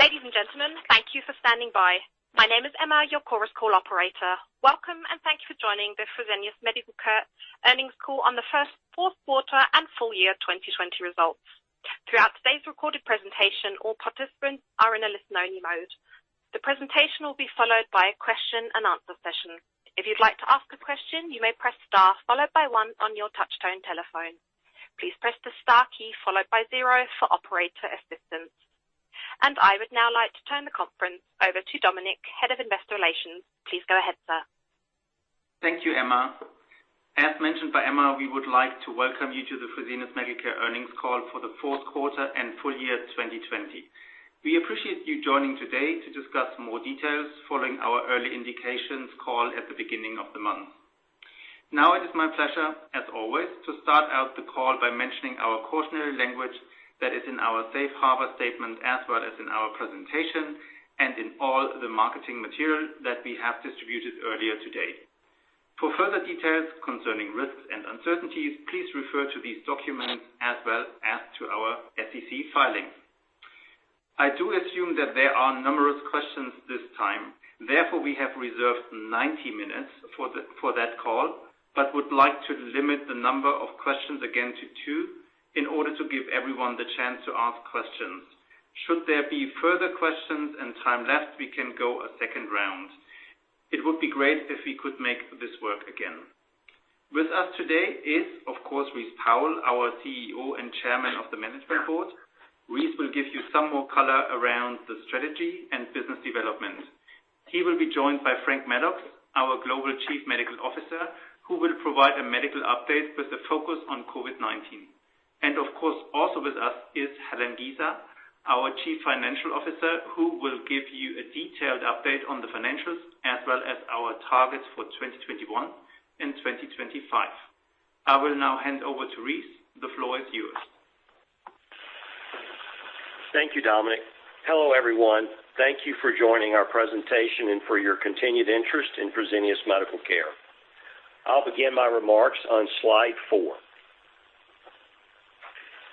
Ladies and gentlemen, thank you for standing by. My name is Emma, your Chorus Call operator. Welcome, and thank you for joining the Fresenius Medical Care earnings call on the first fourth quarter and full year 2020 results. Throughout today's recorded presentation, all participants are in a listen-only mode. The presentation will be followed by a question-and-answer session. If you'd like to ask a question, you may press star, followed by one on your touchtone telephone. Please press the star key followed by zero for operator assistance. I would now like to turn the conference over to Dominik, Head of Investor Relations. Please go ahead, sir. Thank you, Emma. As mentioned by Emma, we would like to welcome you to the Fresenius Medical Care earnings call for the fourth quarter and full year 2020. We appreciate you joining today to discuss more details following our early indications call at the beginning of the month. It is my pleasure, as always, to start out the call by mentioning our cautionary language that is in our safe harbor statement, as well as in our presentation and in all the marketing material that we have distributed earlier today. For further details concerning risks and uncertainties, please refer to these documents as well as to our SEC filings. I do assume that there are numerous questions this time. We have reserved 90 minutes for that call, but would like to limit the number of questions again to two in order to give everyone the chance to ask questions. Should there be further questions and time left, we can go a second round. It would be great if we could make this work again. With us today is, of course, Rice Powell, our CEO and Chairman of the Management Board. Rice will give you some more color around the strategy and business development. He will be joined by Franklin Maddux, our Global Chief Medical Officer, who will provide a medical update with a focus on COVID-19. Of course, also with us is Helen Giza, our Chief Financial Officer, who will give you a detailed update on the financials as well as our targets for 2021 and 2025. I will now hand over to Rice. The floor is yours. Thank you, Dominik. Hello, everyone. Thank you for joining our presentation and for your continued interest in Fresenius Medical Care. I'll begin my remarks on slide four.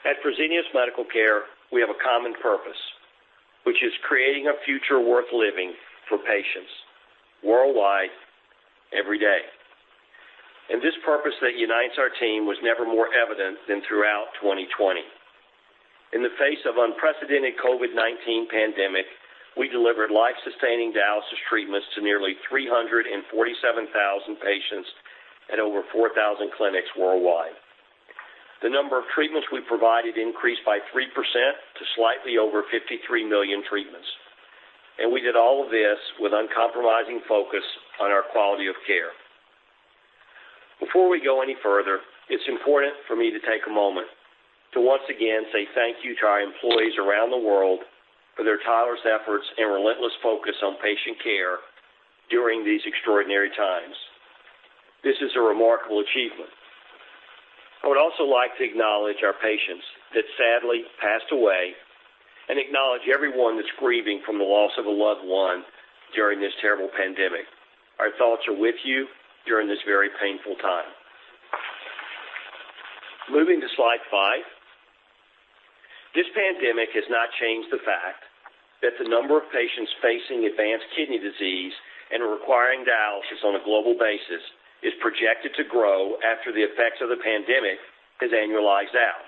At Fresenius Medical Care, we have a common purpose, which is creating a future worth living for patients worldwide, every day. This purpose that unites our team was never more evident than throughout 2020. In the face of unprecedented COVID-19 pandemic, we delivered life-sustaining dialysis treatments to nearly 347,000 patients at over 4,000 clinics worldwide. The number of treatments we provided increased by 3% to slightly over 53 million treatments. We did all of this with uncompromising focus on our quality of care. Before we go any further, it is important for me to take a moment to once again say thank you to our employees around the world for their tireless efforts and relentless focus on patient care during these extraordinary times. This is a remarkable achievement. I would also like to acknowledge our patients that sadly passed away and acknowledge everyone that is grieving from the loss of a loved one during this terrible pandemic. Our thoughts are with you during this very painful time. Moving to slide five. This pandemic has not changed the fact that the number of patients facing advanced kidney disease and requiring dialysis on a global basis is projected to grow after the effects of the pandemic has annualized out.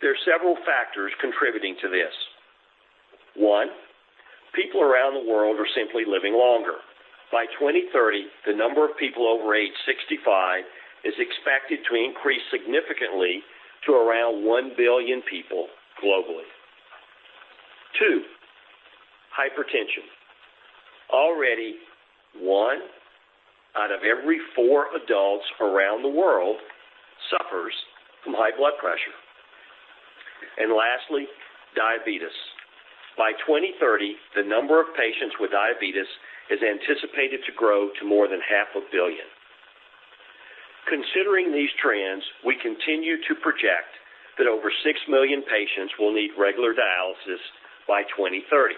There are several factors contributing to this. One, people around the world are simply living longer. By 2030, the number of people over age 65 is expected to increase significantly to around 1 billion people globally. Two, hypertension. Already, one out of every four adults around the world suffers from high blood pressure. Lastly, diabetes. By 2030, the number of patients with diabetes is anticipated to grow to more than 0.5 billion. Considering these trends, we continue to project that over 6 million patients will need regular dialysis by 2030.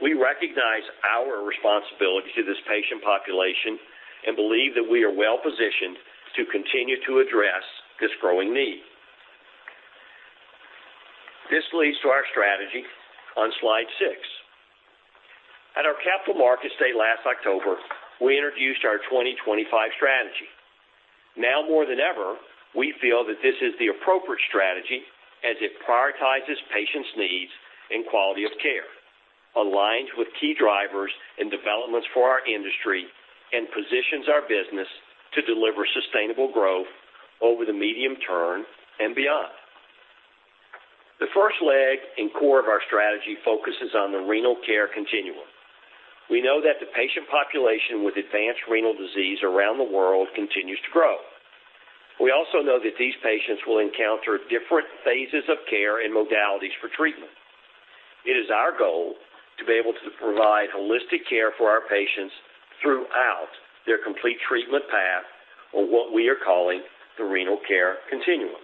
We recognize our responsibility to this patient population and believe that we are well-positioned to continue to address this growing need. This leads to our strategy on slide six. At our Capital Markets Day last October, we introduced our 2025 Strategy. Now more than ever, we feel that this is the appropriate strategy as it prioritizes patients' needs and quality of care, aligns with key drivers and developments for our industry, and positions our business to deliver sustainable growth over the medium term and beyond. The first leg and core of our strategy focuses on the renal care continuum. We know that the patient population with advanced renal disease around the world continues to grow. We also know that these patients will encounter different phases of care and modalities for treatment. It is our goal to be able to provide holistic care for our patients throughout their complete treatment path or what we are calling the renal care continuum.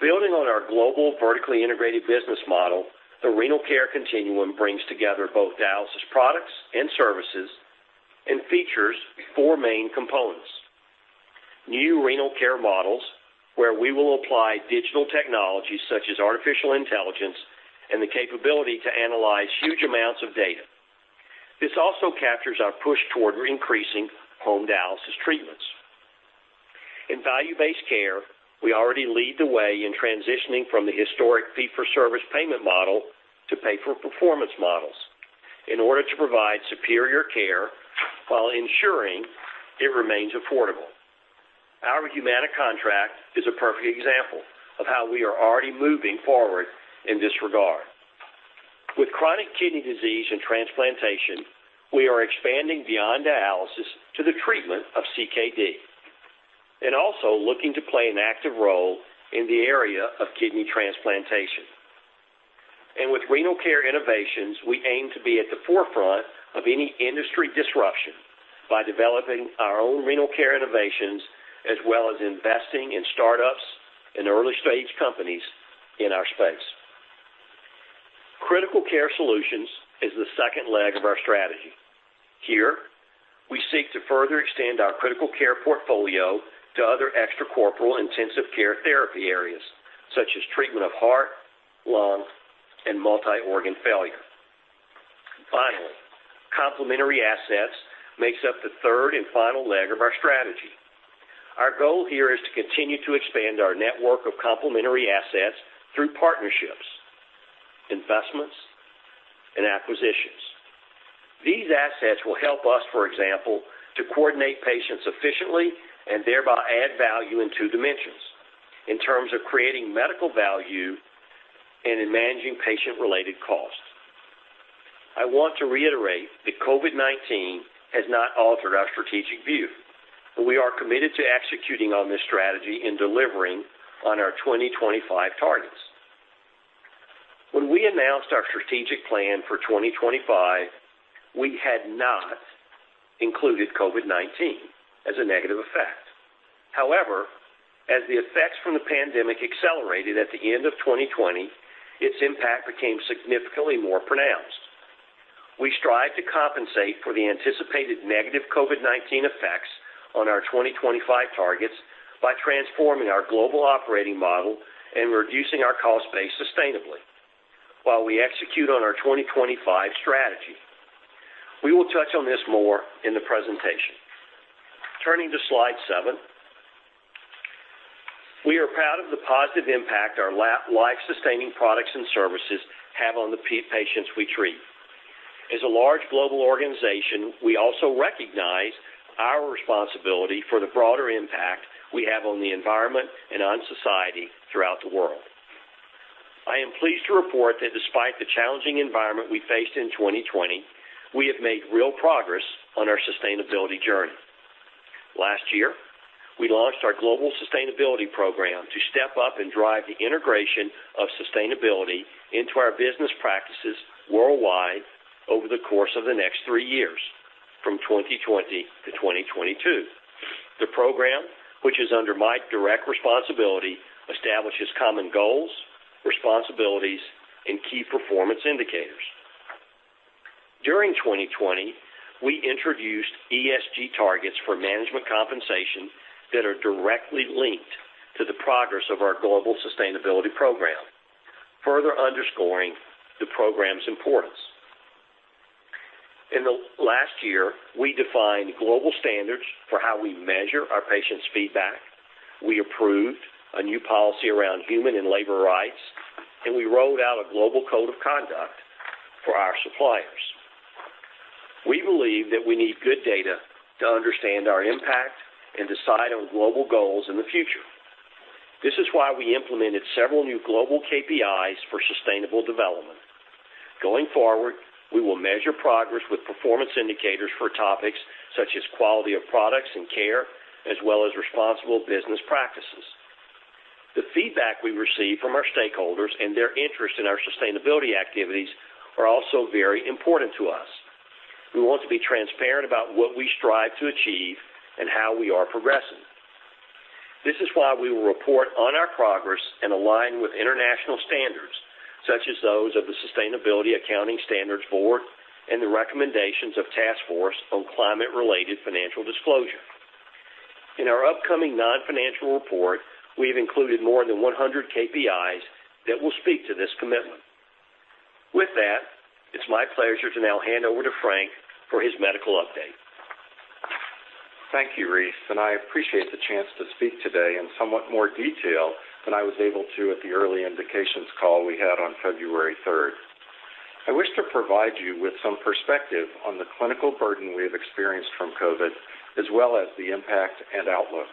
Building on our global vertically integrated business model, the renal care continuum brings together both dialysis products and services and features four main components. New renal care models, where we will apply digital technologies such as artificial intelligence and the capability to analyze huge amounts of data. This also captures our push toward increasing home dialysis treatments. In value-based care, we already lead the way in transitioning from the historic fee-for-service payment model to pay-for-performance models in order to provide superior care while ensuring it remains affordable. Our Humana contract is a perfect example of how we are already moving forward in this regard. With chronic kidney disease and transplantation, we are expanding beyond dialysis to the treatment of CKD, and also looking to play an active role in the area of kidney transplantation. With renal care innovations, we aim to be at the forefront of any industry disruption by developing our own renal care innovations, as well as investing in startups and early-stage companies in our space. Critical care solutions is the second leg of our strategy. Here, we seek to further extend our critical care portfolio to other extracorporeal intensive care therapy areas, such as treatment of heart, lung, and multi-organ failure. Finally, complementary assets makes up the third and final leg of our strategy. Our goal here is to continue to expand our network of complementary assets through partnerships, investments, and acquisitions. These assets will help us, for example, to coordinate patients efficiently, and thereby add value in two dimensions, in terms of creating medical value and in managing patient-related costs. I want to reiterate that COVID-19 has not altered our strategic view, and we are committed to executing on this strategy and delivering on our 2025 targets. When we announced our strategic plan for 2025, we had not included COVID-19 as a negative effect. However, as the effects from the pandemic accelerated at the end of 2020, its impact became significantly more pronounced. We strive to compensate for the anticipated negative COVID-19 effects on our 2025 targets by transforming our global operating model and reducing our cost base sustainably while we execute on our 2025 strategy. We will touch on this more in the presentation. Turning to slide seven. We are proud of the positive impact our life-sustaining products and services have on the patients we treat. As a large global organization, we also recognize our responsibility for the broader impact we have on the environment and on society throughout the world. I am pleased to report that despite the challenging environment we faced in 2020, we have made real progress on our sustainability journey. Last year, we launched our global sustainability program to step up and drive the integration of sustainability into our business practices worldwide over the course of the next three years, from 2020 to 2022. The program, which is under my direct responsibility, establishes common goals, responsibilities, and key performance indicators. During 2020, we introduced ESG targets for management compensation that are directly linked to the progress of our global sustainability program, further underscoring the program's importance. In the last year, we defined global standards for how we measure our patients' feedback. We approved a new policy around human and labor rights, and we rolled out a global code of conduct for our suppliers. We believe that we need good data to understand our impact and decide on global goals in the future. This is why we implemented several new global KPIs for sustainable development. Going forward, we will measure progress with performance indicators for topics such as quality of products and care, as well as responsible business practices. The feedback we receive from our stakeholders and their interest in our sustainability activities are also very important to us. We want to be transparent about what we strive to achieve and how we are progressing. This is why we will report on our progress and align with international standards, such as those of the Sustainability Accounting Standards Board and the recommendations of Task Force on Climate-related Financial Disclosure. In our upcoming non-financial report, we've included more than 100 KPIs that will speak to this commitment. With that, it's my pleasure to now hand over to Frank for his medical update. Thank you, Rice, and I appreciate the chance to speak today in somewhat more detail than I was able to at the early indications call we had on February 3rd. I wish to provide you with some perspective on the clinical burden we have experienced from COVID, as well as the impact and outlook.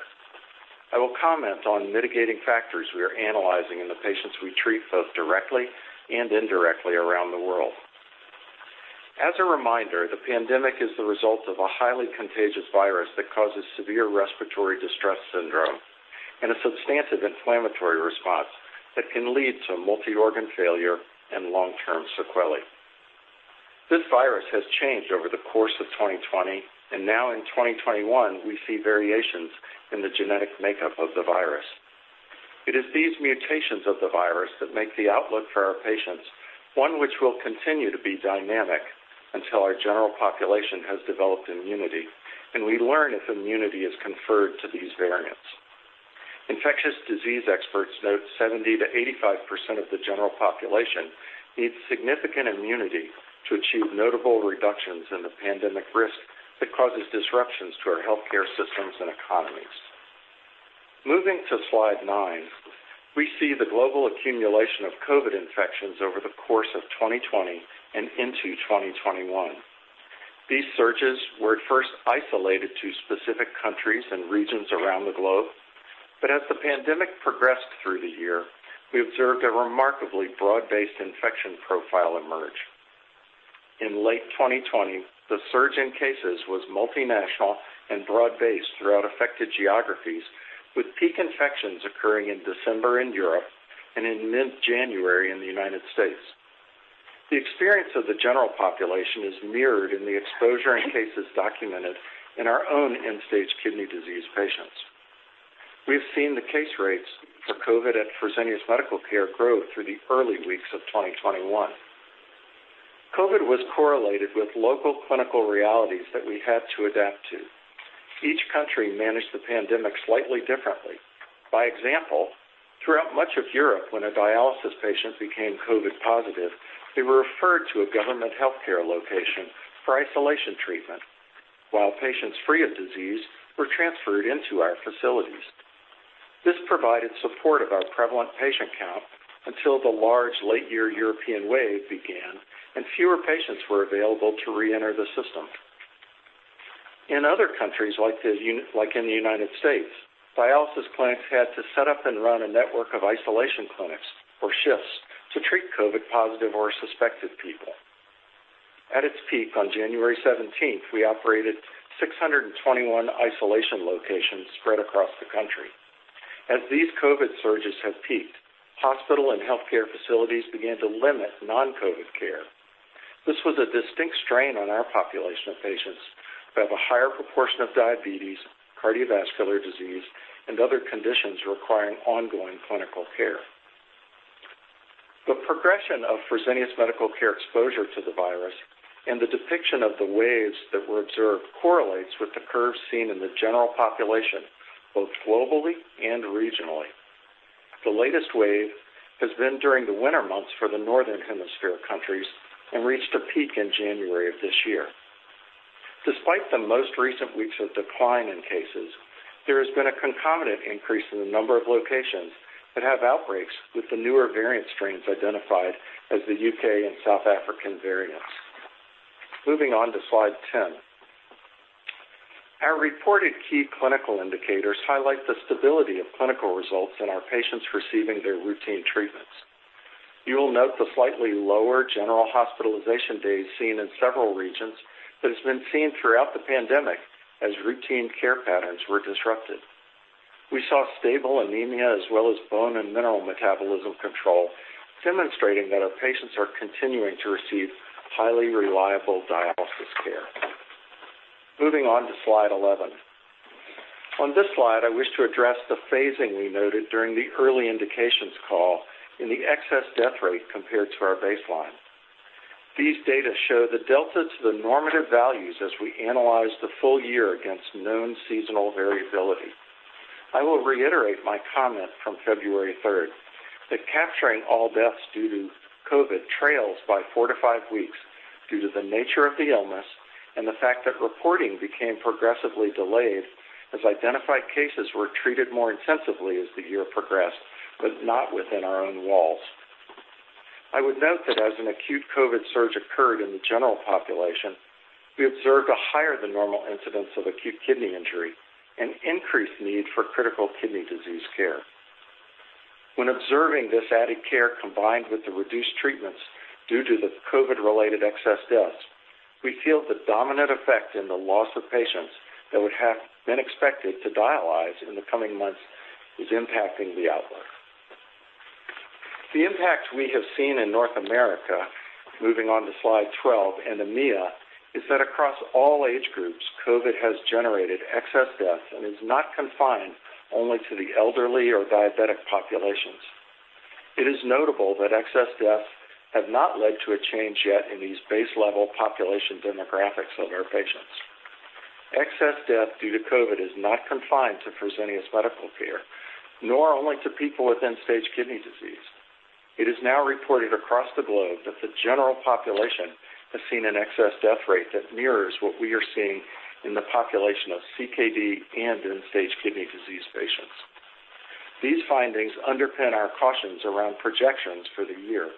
I will comment on mitigating factors we are analyzing in the patients we treat both directly and indirectly around the world. As a reminder, the pandemic is the result of a highly contagious virus that causes severe respiratory distress syndrome and a substantive inflammatory response that can lead to multi-organ failure and long-term sequelae. This virus has changed over the course of 2020, and now in 2021, we see variations in the genetic makeup of the virus. It is these mutations of the virus that make the outlook for our patients one which will continue to be dynamic until our general population has developed immunity and we learn if immunity is conferred to these variants. Infectious disease experts note 70%-85% of the general population needs significant immunity to achieve notable reductions in the pandemic risk that causes disruptions to our healthcare systems and economies. Moving to slide nine, we see the global accumulation of COVID infections over the course of 2020 and into 2021. These surges were at first isolated to specific countries and regions around the globe. As the pandemic progressed through the year, we observed a remarkably broad-based infection profile emerge. In late 2020, the surge in cases was multinational and broad-based throughout affected geographies, with peak infections occurring in December in Europe and in mid-January in the United States. The experience of the general population is mirrored in the exposure and cases documented in our own end-stage kidney disease patients. We've seen the case rates for COVID at Fresenius Medical Care grow through the early weeks of 2021. COVID was correlated with local clinical realities that we had to adapt to. Each country managed the pandemic slightly differently. By example, throughout much of Europe, when a dialysis patient became COVID positive, they were referred to a government healthcare location for isolation treatment, while patients free of disease were transferred into our facilities. This provided support of our prevalent patient count until the large late-year European wave began and fewer patients were available to reenter the system. In other countries like in the United States, dialysis clinics had to set up and run a network of isolation clinics or shifts to treat COVID positive or suspected people. At its peak on January 17th, we operated 621 isolation locations spread across the country. As these COVID surges have peaked, hospital and healthcare facilities began to limit non-COVID care. This was a distinct strain on our population of patients who have a higher proportion of diabetes, cardiovascular disease, and other conditions requiring ongoing clinical care. The progression of Fresenius Medical Care exposure to the virus and the depiction of the waves that were observed correlates with the curves seen in the general population, both globally and regionally. The latest wave has been during the winter months for the Northern Hemisphere countries and reached a peak in January of this year. Despite the most recent weeks of decline in cases, there has been a concomitant increase in the number of locations that have outbreaks with the newer variant strains identified as the U.K. and South African variants. Moving on to slide 10. Our reported key clinical indicators highlight the stability of clinical results in our patients receiving their routine treatments. You will note the slightly lower general hospitalization days seen in several regions that has been seen throughout the pandemic as routine care patterns were disrupted. We saw stable anemia as well as bone and mineral metabolism control, demonstrating that our patients are continuing to receive highly reliable dialysis care. Moving on to slide 11. On this slide, I wish to address the phasing we noted during the early indications call in the excess death rate compared to our baseline. These data show the delta to the normative values as we analyze the full year against known seasonal variability. I will reiterate my comment from February third that capturing all deaths due to COVID trails by four to five weeks due to the nature of the illness and the fact that reporting became progressively delayed as identified cases were treated more intensively as the year progressed, but not within our own walls. I would note that as an acute COVID surge occurred in the general population, we observed a higher-than-normal incidence of acute kidney injury and increased need for critical kidney disease care. When observing this added care combined with the reduced treatments due to the COVID-related excess deaths, we feel the dominant effect in the loss of patients that would have been expected to dialyze in the coming months is impacting the outlook. The impact we have seen in North America, moving on to slide 12, and EMEA, is that across all age groups, COVID has generated excess deaths and is not confined only to the elderly or diabetic populations. It is notable that excess deaths have not led to a change yet in these base-level population demographics of our patients. Excess death due to COVID is not confined to Fresenius Medical Care, nor only to people with end-stage kidney disease. It is now reported across the globe that the general population has seen an excess death rate that mirrors what we are seeing in the population of CKD and end-stage kidney disease patients. These findings underpin our cautions around projections for the year,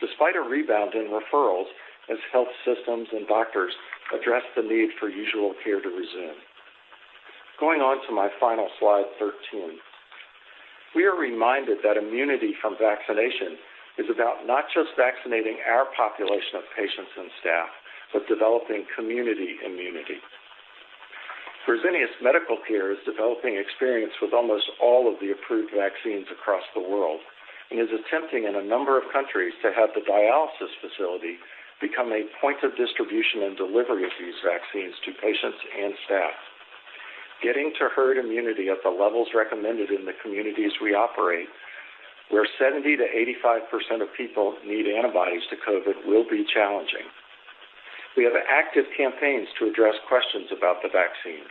despite a rebound in referrals as health systems and doctors address the need for usual care to resume. Going on to my final slide, 13. We are reminded that immunity from vaccination is about not just vaccinating our population of patients and staff, but developing community immunity. Fresenius Medical Care is developing experience with almost all of the approved vaccines across the world. Is attempting in a number of countries to have the dialysis facility become a point of distribution and delivery of these vaccines to patients and staff. Getting to herd immunity at the levels recommended in the communities we operate, where 70%-85% of people need antibodies to COVID will be challenging. We have active campaigns to address questions about the vaccines,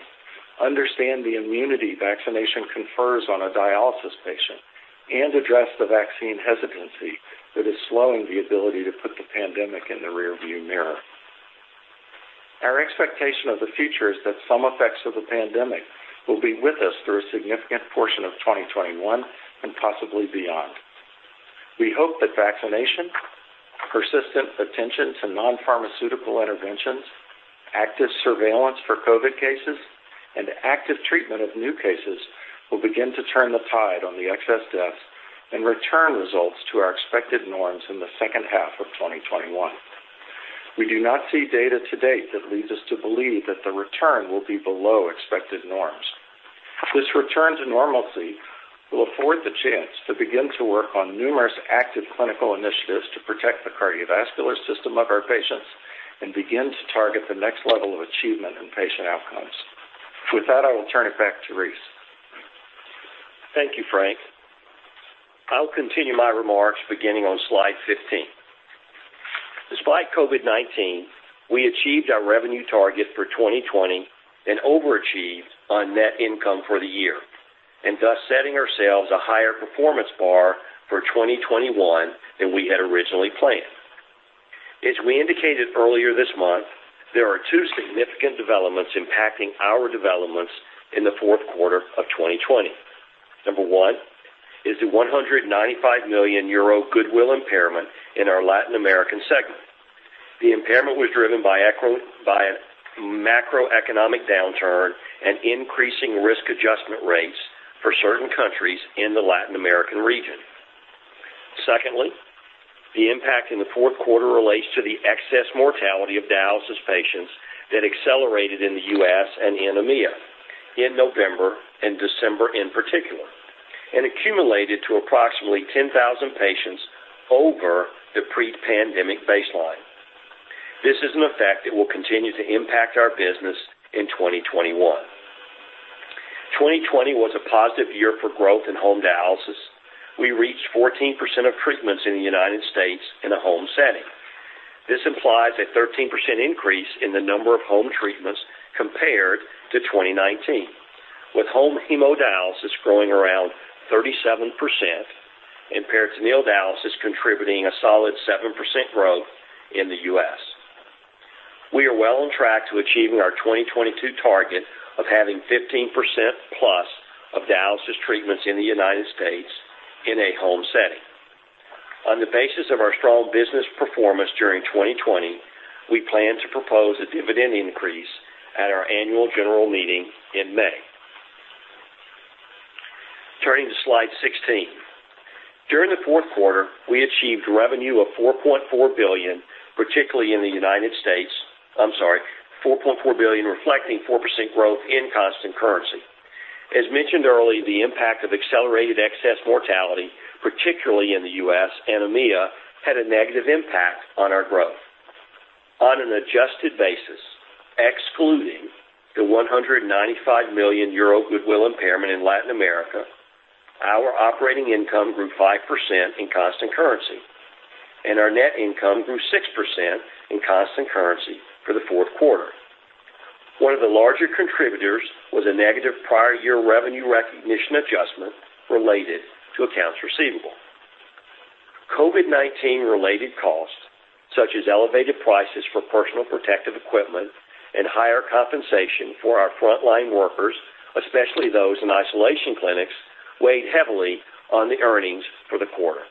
understand the immunity vaccination confers on a dialysis patient, and address the vaccine hesitancy that is slowing the ability to put the pandemic in the rear view mirror. Our expectation of the future is that some effects of the pandemic will be with us through a significant portion of 2021, and possibly beyond. We hope that vaccination, persistent attention to non-pharmaceutical interventions, active surveillance for COVID cases, and active treatment of new cases will begin to turn the tide on the excess deaths and return results to our expected norms in the second half of 2021. We do not see data to date that leads us to believe that the return will be below expected norms. This return to normalcy will afford the chance to begin to work on numerous active clinical initiatives to protect the cardiovascular system of our patients and begin to target the next level of achievement in patient outcomes. With that, I will turn it back to Rice. Thank you, Frank. I'll continue my remarks beginning on slide 15. Despite COVID-19, we achieved our revenue target for 2020 and overachieved on net income for the year, thus setting ourselves a higher performance bar for 2021 than we had originally planned. As we indicated earlier this month, there are two significant developments impacting our developments in the fourth quarter of 2020. Number one is the €195 million goodwill impairment in our Latin American segment. The impairment was driven by a macroeconomic downturn and increasing risk adjustment rates for certain countries in the Latin American region. Secondly, the impact in the fourth quarter relates to the excess mortality of dialysis patients that accelerated in the U.S. and in EMEA in November and December in particular, and accumulated to approximately 10,000 patients over the pre-pandemic baseline. This is an effect that will continue to impact our business in 2021. 2020 was a positive year for growth in home dialysis. We reached 14% of treatments in the United States in a home setting. This implies a 13% increase in the number of home treatments compared to 2019, with home hemodialysis growing around 37% and peritoneal dialysis contributing a solid 7% growth in the U.S. We are well on track to achieving our 2022 target of having 15%+ of dialysis treatments in the United States in a home setting. On the basis of our strong business performance during 2020, we plan to propose a dividend increase at our annual general meeting in May. Turning to slide 16. During the fourth quarter, we achieved revenue of 4.4 billion, particularly in the United States. I'm sorry, 4.4 billion, reflecting 4% growth in constant currency. As mentioned earlier, the impact of accelerated excess mortality, particularly in the U.S. and EMEA, had a negative impact on our growth. On an adjusted basis, excluding the 195 million euro goodwill impairment in Latin America, our operating income grew 5% in constant currency, and our net income grew 6% in constant currency for the fourth quarter. One of the larger contributors was a negative prior year revenue recognition adjustment related to accounts receivable. COVID-19 related costs, such as elevated prices for personal protective equipment and higher compensation for our frontline workers, especially those in isolation clinics, weighed heavily on the earnings for the quarter.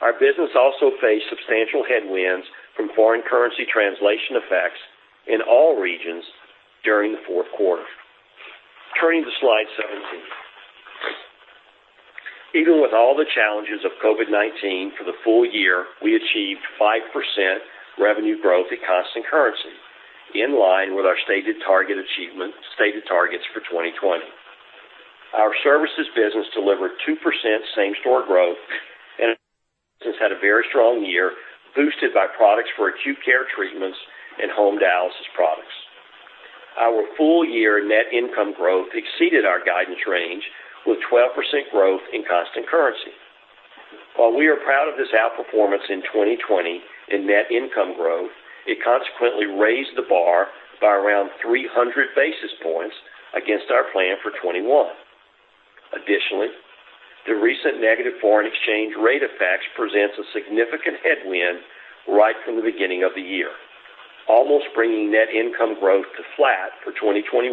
Our business also faced substantial headwinds from foreign currency translation effects in all regions during the fourth quarter. Turning to slide 17. Even with all the challenges of COVID-19, for the full year, we achieved 5% revenue growth at constant currency, in line with our stated targets for 2020. Our services business delivered 2% same-store growth and has had a very strong year, boosted by products for acute care treatments and home dialysis products. Our full-year net income growth exceeded our guidance range with 12% growth in constant currency. While we are proud of this outperformance in 2020 in net income growth, it consequently raised the bar by around 300 basis points against our plan for 2021. Additionally, the recent negative foreign exchange rate effects presents a significant headwind right from the beginning of the year, almost bringing net income growth to flat for 2021,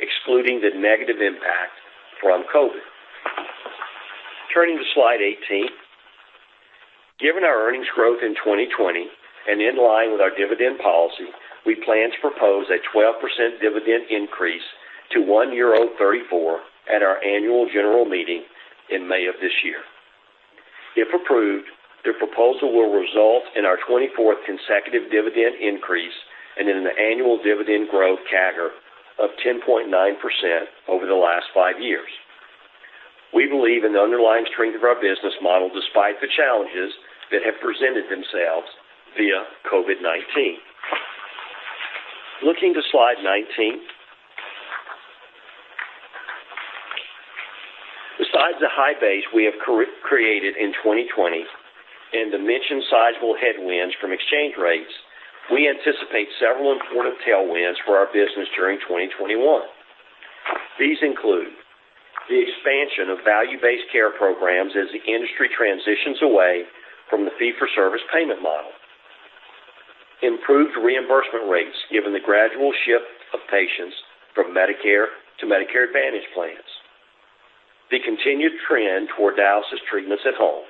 excluding the negative impact from COVID. Turning to slide 18. Given our earnings growth in 2020 and in line with our dividend policy, we plan to propose a 12% dividend increase to €1.34 at our annual general meeting in May of this year. If approved, the proposal will result in our 24th consecutive dividend increase and in an annual dividend growth CAGR of 10.9% over the last five years. We believe in the underlying strength of our business model, despite the challenges that have presented themselves via COVID-19. Looking to slide 19. Besides the high base we have created in 2020 and the mentioned sizable headwinds from exchange rates, we anticipate several important tailwinds for our business during 2021. These include the expansion of value-based care programs as the industry transitions away from the fee-for-service payment model, improved reimbursement rates given the gradual shift of patients from Medicare to Medicare Advantage plans, the continued trend toward dialysis treatments at home,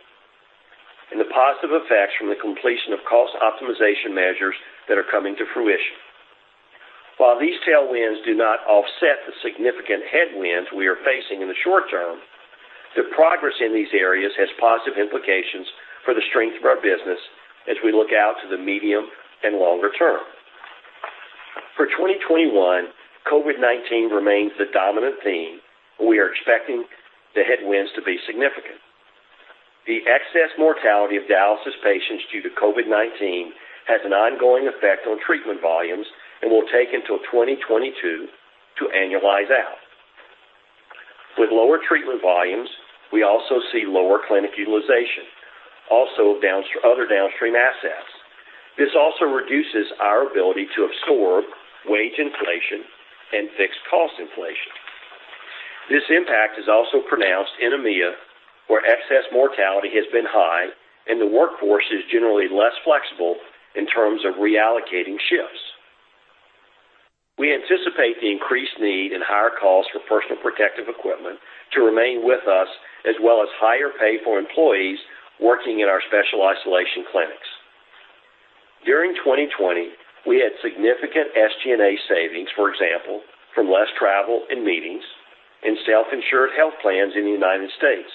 and the positive effects from the completion of cost optimization measures that are coming to fruition. While these tailwinds do not offset the significant headwinds we are facing in the short term, the progress in these areas has positive implications for the strength of our business as we look out to the medium and longer term. For 2021, COVID-19 remains the dominant theme, and we are expecting the headwinds to be significant. The excess mortality of dialysis patients due to COVID-19 has an ongoing effect on treatment volumes and will take until 2022 to annualize out. With lower treatment volumes, we also see lower clinic utilization, also other downstream assets. This also reduces our ability to absorb wage inflation and fixed cost inflation. This impact is also pronounced in EMEA, where excess mortality has been high and the workforce is generally less flexible in terms of reallocating shifts. We anticipate the increased need and higher cost for personal protective equipment to remain with us, as well as higher pay for employees working in our special isolation clinics. During 2020, we had significant SG&A savings, for example, from less travel and meetings and self-insured health plans in the United States.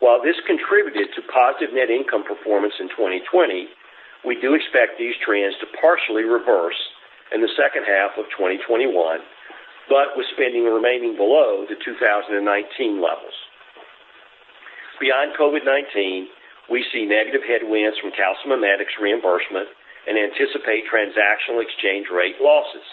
While this contributed to positive net income performance in 2020, we do expect these trends to partially reverse in the second half of 2021, but with spending remaining below the 2019 levels. Beyond COVID-19, we see negative headwinds from calcimimetics reimbursement and anticipate transactional exchange rate losses.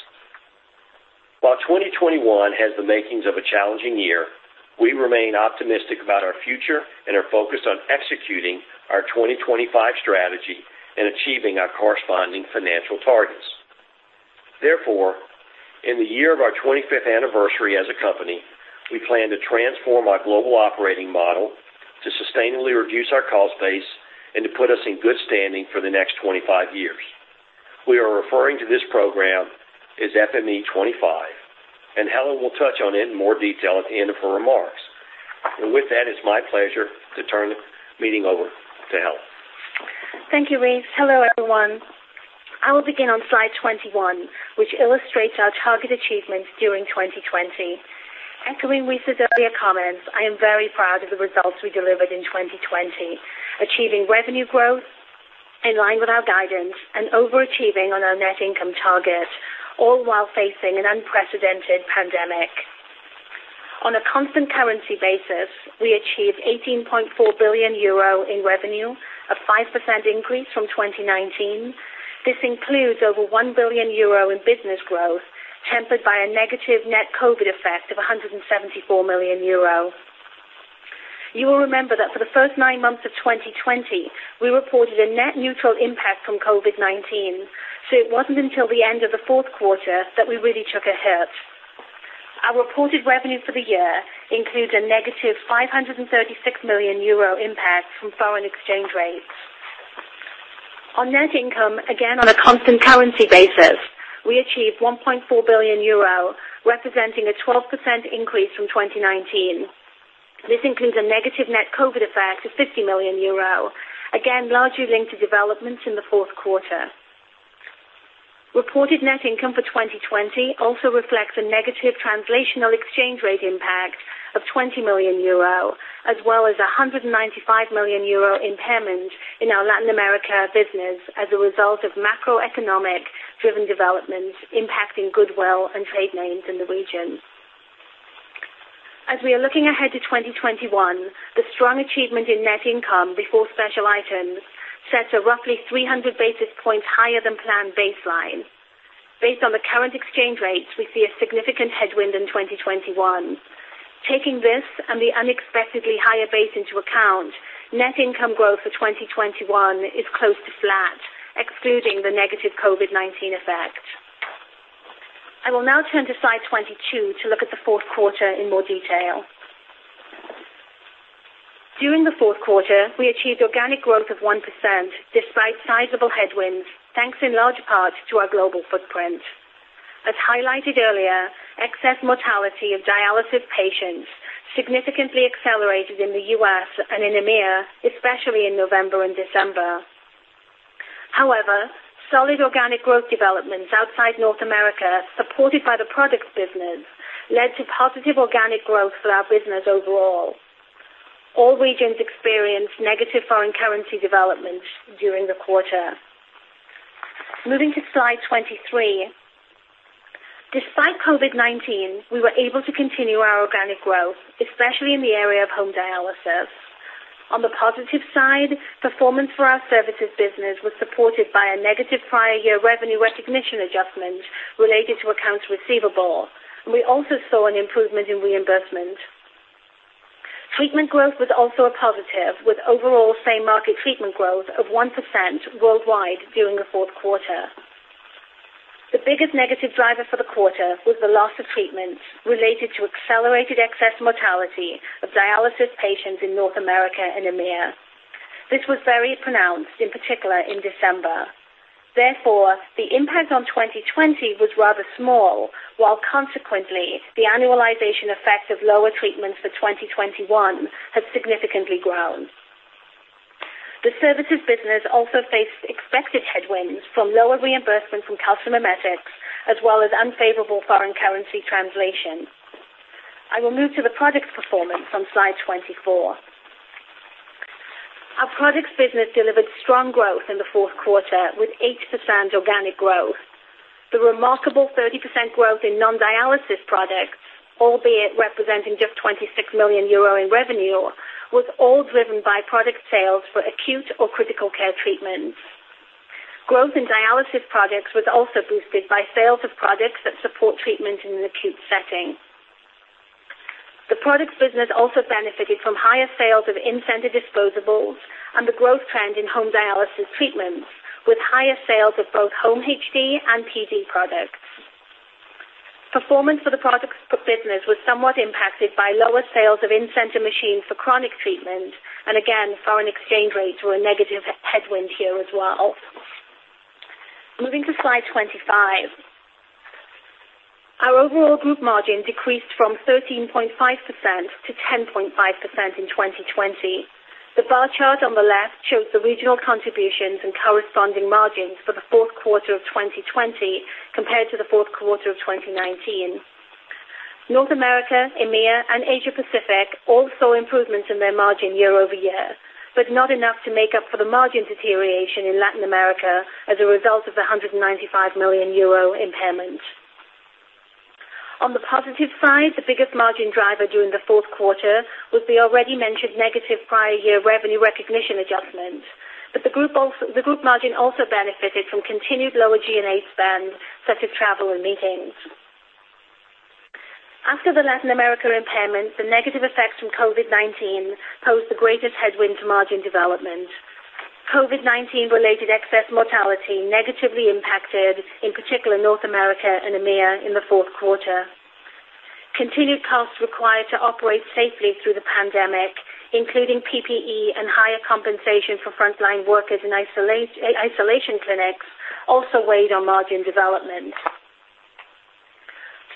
While 2021 has the makings of a challenging year, we remain optimistic about our future and are focused on executing our 2025 strategy and achieving our corresponding financial targets. Therefore, in the year of our 25th anniversary as a company, we plan to transform our global operating model to sustainably reduce our cost base and to put us in good standing for the next 25 years. We are referring to this program as FME25, and Helen will touch on it in more detail at the end of her remarks. With that, it's my pleasure to turn the meeting over to Helen. Thank you, Rice. Hello, everyone. I will begin on slide 21, which illustrates our target achievements during 2020. Echoing Rice's earlier comments, I am very proud of the results we delivered in 2020, achieving revenue growth in line with our guidance and overachieving on our net income target, all while facing an unprecedented pandemic. On a constant currency basis, we achieved 18.4 billion euro in revenue, a 5% increase from 2019. This includes over 1 billion euro in business growth, tempered by a negative net COVID effect of 174 million euro. You will remember that for the first nine months of 2020, we reported a net neutral impact from COVID-19, it wasn't until the end of the fourth quarter that we really took a hit. Our reported revenue for the year includes a negative 536 million euro impact from foreign exchange rates. On net income, again, on a constant currency basis, we achieved 1.4 billion euro, representing a 12% increase from 2019. This includes a negative net COVID effect of 50 million, again, largely linked to developments in the fourth quarter. Reported net income for 2020 also reflects a negative translational exchange rate impact of 20 million euro, as well as a 195 million euro impairment in our Latin America business as a result of macroeconomic-driven developments impacting goodwill and trade names in the region. We are looking ahead to 2021, the strong achievement in net income before special items sets a roughly 300 basis points higher-than-planned baseline. Based on the current exchange rates, we see a significant headwind in 2021. Taking this and the unexpectedly higher base into account, net income growth for 2021 is close to flat, excluding the negative COVID-19 effect. I will now turn to slide 22 to look at the fourth quarter in more detail. During the fourth quarter, we achieved organic growth of 1%, despite sizable headwinds, thanks in large part to our global footprint. As highlighted earlier, excess mortality of dialysis patients significantly accelerated in the U.S. and in EMEA, especially in November and December. However, solid organic growth developments outside North America, supported by the products business, led to positive organic growth for our business overall. All regions experienced negative foreign currency developments during the quarter. Moving to slide 23. Despite COVID-19, we were able to continue our organic growth, especially in the area of home dialysis. On the positive side, performance for our services business was supported by a negative prior year revenue recognition adjustment related to accounts receivable, and we also saw an improvement in reimbursement. Treatment growth was also a positive, with overall same-market treatment growth of 1% worldwide during the fourth quarter. The biggest negative driver for the quarter was the loss of treatments related to accelerated excess mortality of dialysis patients in North America and EMEA. This was very pronounced, in particular, in December. The impact on 2020 was rather small, while consequently, the annualization effect of lower treatments for 2021 has significantly grown. The services business also faced expected headwinds from lower reimbursement from calcimimetics, as well as unfavorable foreign currency translation. I will move to the products performance on Slide 24. Our products business delivered strong growth in the fourth quarter with 8% organic growth. The remarkable 30% growth in non-dialysis products, albeit representing just 26 million euro in revenue, was all driven by product sales for acute or critical care treatments. Growth in dialysis products was also boosted by sales of products that support treatment in an acute setting. The products business also benefited from higher sales of in-center disposables and the growth trend in home dialysis treatments, with higher sales of both home HD and PD products. Performance for the products business was somewhat impacted by lower sales of in-center machines for chronic treatment, and again, foreign exchange rates were a negative headwind here as well. Moving to slide 25. Our overall group margin decreased from 13.5% to 10.5% in 2020. The bar chart on the left shows the regional contributions and corresponding margins for the fourth quarter of 2020 compared to the fourth quarter of 2019. North America, EMEA, and Asia Pacific all saw improvements in their margin year-over-year, but not enough to make up for the margin deterioration in Latin America as a result of the 195 million euro impairment. On the positive side, the biggest margin driver during the fourth quarter was the already mentioned negative prior year revenue recognition adjustment. The group margin also benefited from continued lower G&A spend, such as travel and meetings. After the Latin America impairment, the negative effects from COVID-19 posed the greatest headwind to margin development. COVID-19 related excess mortality negatively impacted, in particular, North America and EMEA in the fourth quarter. Continued costs required to operate safely through the pandemic, including PPE and higher compensation for frontline workers in isolation clinics, also weighed on margin development.